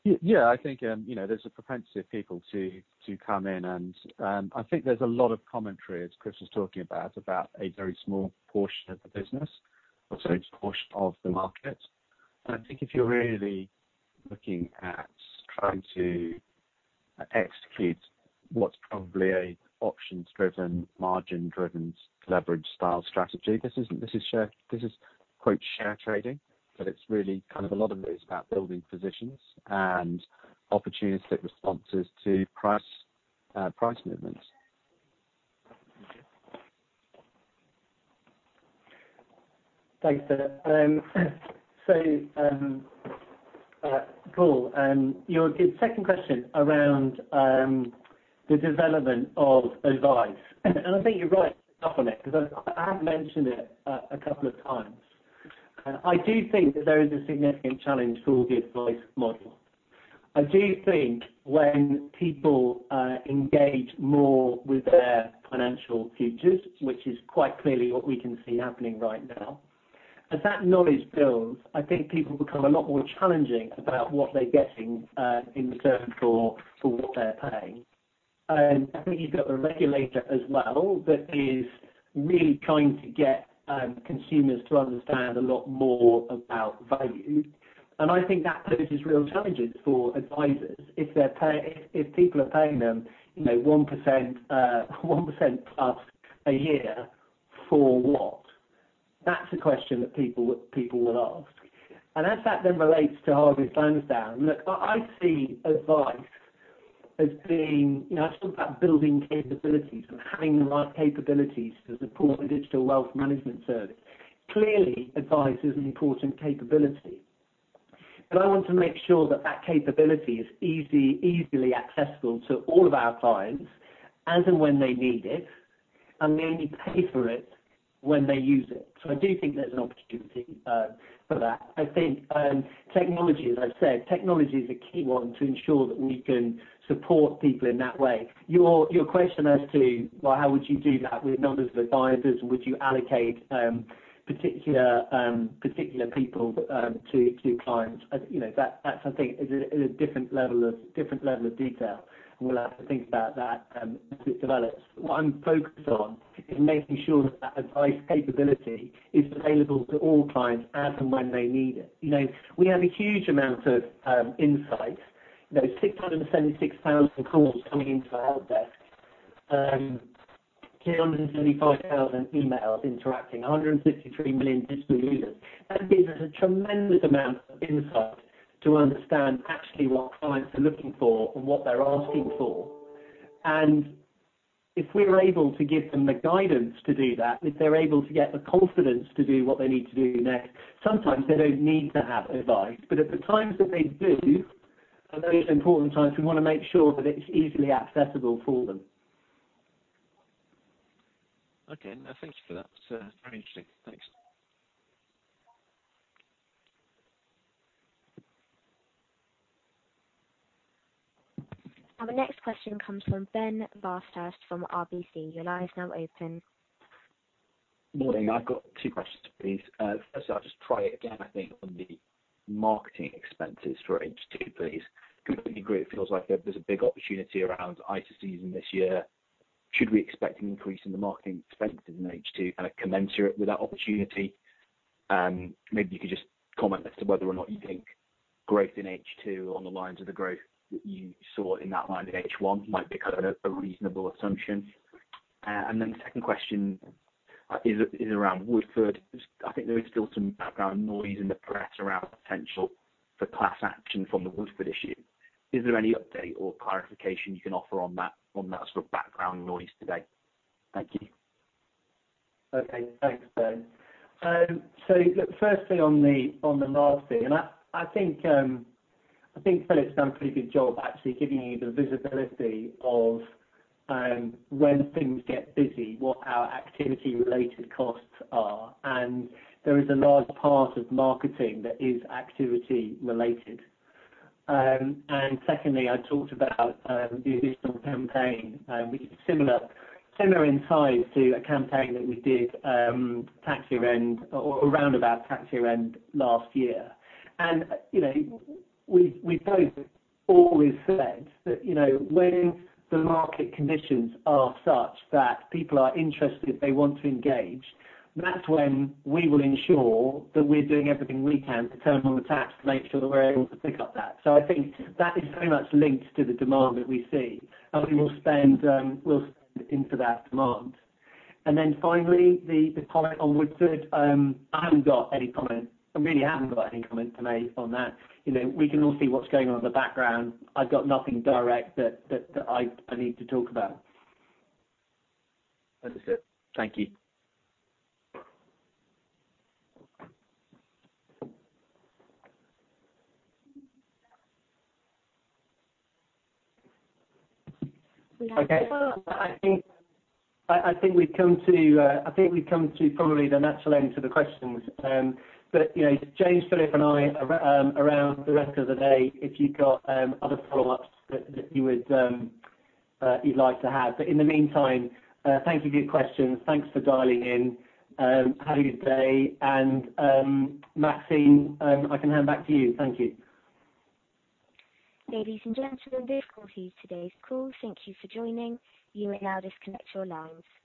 Yeah. I think there's a propensity of people to come in, I think there's a lot of commentary as Chris was talking about a very small portion of the business or sorry, portion of the market. I think if you're really looking at trying to execute what's probably an options-driven, margin-driven, leverage-style strategy. This is quote "share trading," but it's really kind of a lot of it is about building positions and opportunistic responses to price movements. Thank you. Thanks, Philip. Paul, your second question around the development of advice, I think you're right to pick up on it because I have mentioned it a couple of times. I do think that there is a significant challenge for the advice model. I do think when people engage more with their financial futures, which is quite clearly what we can see happening right now. As that knowledge builds, I think people become a lot more challenging about what they're getting in return for what they're paying. I think you've got a regulator as well that is really trying to get consumers to understand a lot more about value. I think that poses real challenges for advisors if people are paying them 1% plus a year, for what? That's a question that people will ask. As that then relates to Hargreaves Lansdown, look, I see advice as being I talk about building capabilities and having the right capabilities to support the digital wealth management service. Clearly, advice is an important capability. I want to make sure that capability is easily accessible to all of our clients as and when they need it, and they only pay for it when they use it. I do think there's an opportunity for that. I think technology, as I've said, technology is a key one to ensure that we can support people in that way. Your question as to, well, how would you do that with numbers of advisors? Would you allocate particular people to clients? That I think is a different level of detail, we'll have to think about that as it develops. What I'm focused on is making sure that advice capability is available to all clients as and when they need it. We have a huge amount of insight, 676,000 calls coming into our help desk, 375,000 emails interacting, 163 million digital users. That gives us a tremendous amount of insight to understand actually what clients are looking for and what they're asking for. If we're able to give them the guidance to do that, if they're able to get the confidence to do what they need to do next, sometimes they don't need to have advice. At the times that they do, are those important times we want to make sure that it's easily accessible for them. Okay. No, thank you for that. It's very interesting. Thanks. Our next question comes from Ben Bathurst from RBC. Your line is now open. Morning. I've got two questions, please. First I'll just try it again, I think, on the marketing expenses for H2, please. Completely agree, it feels like there's a big opportunity around ISA season this year. Should we expect an increase in the marketing expenses in H2 kinda commensurate with that opportunity? Maybe you could just comment as to whether or not you think growth in H2 on the lines of the growth that you saw in that line in H1 might be kind of a reasonable assumption. The second question is around Neil. I think there is still some background noise in the press around the potential for class action from the Neil issue. Is there any update or clarification you can offer on that sort of background noise today? Thank you. Okay. Thanks, Ben. Look, firstly on the marketing. I think Philip's done a pretty good job actually, giving you the visibility of when things get busy, what our activity related costs are. There is a large part of marketing that is activity related. Secondly, I talked about the additional campaign, which is similar in size to a campaign that we did around about tax year-end last year. We've both always said that when the market conditions are such that people are interested, they want to engage, that's when we will ensure that we're doing everything we can to turn on the taps to make sure that we're able to pick up that. I think that is very much linked to the demand that we see, and we'll spend into that demand. Finally, the comment on Neil. I haven't got any comment. I really haven't got any comment to make on that. We can all see what's going on in the background. I've got nothing direct that I need to talk about. Understood. Thank you. Okay. I think we've come to probably the natural end to the questions. James, Philip and I are around for the rest of the day, if you've got other follow-ups that you'd like to have. In the meantime, thank you for your questions. Thanks for dialing in. Have a good day. Maxine, I can hand back to you. Thank you. Ladies and gentlemen, this concludes today's call. Thank you for joining. You may now disconnect your lines.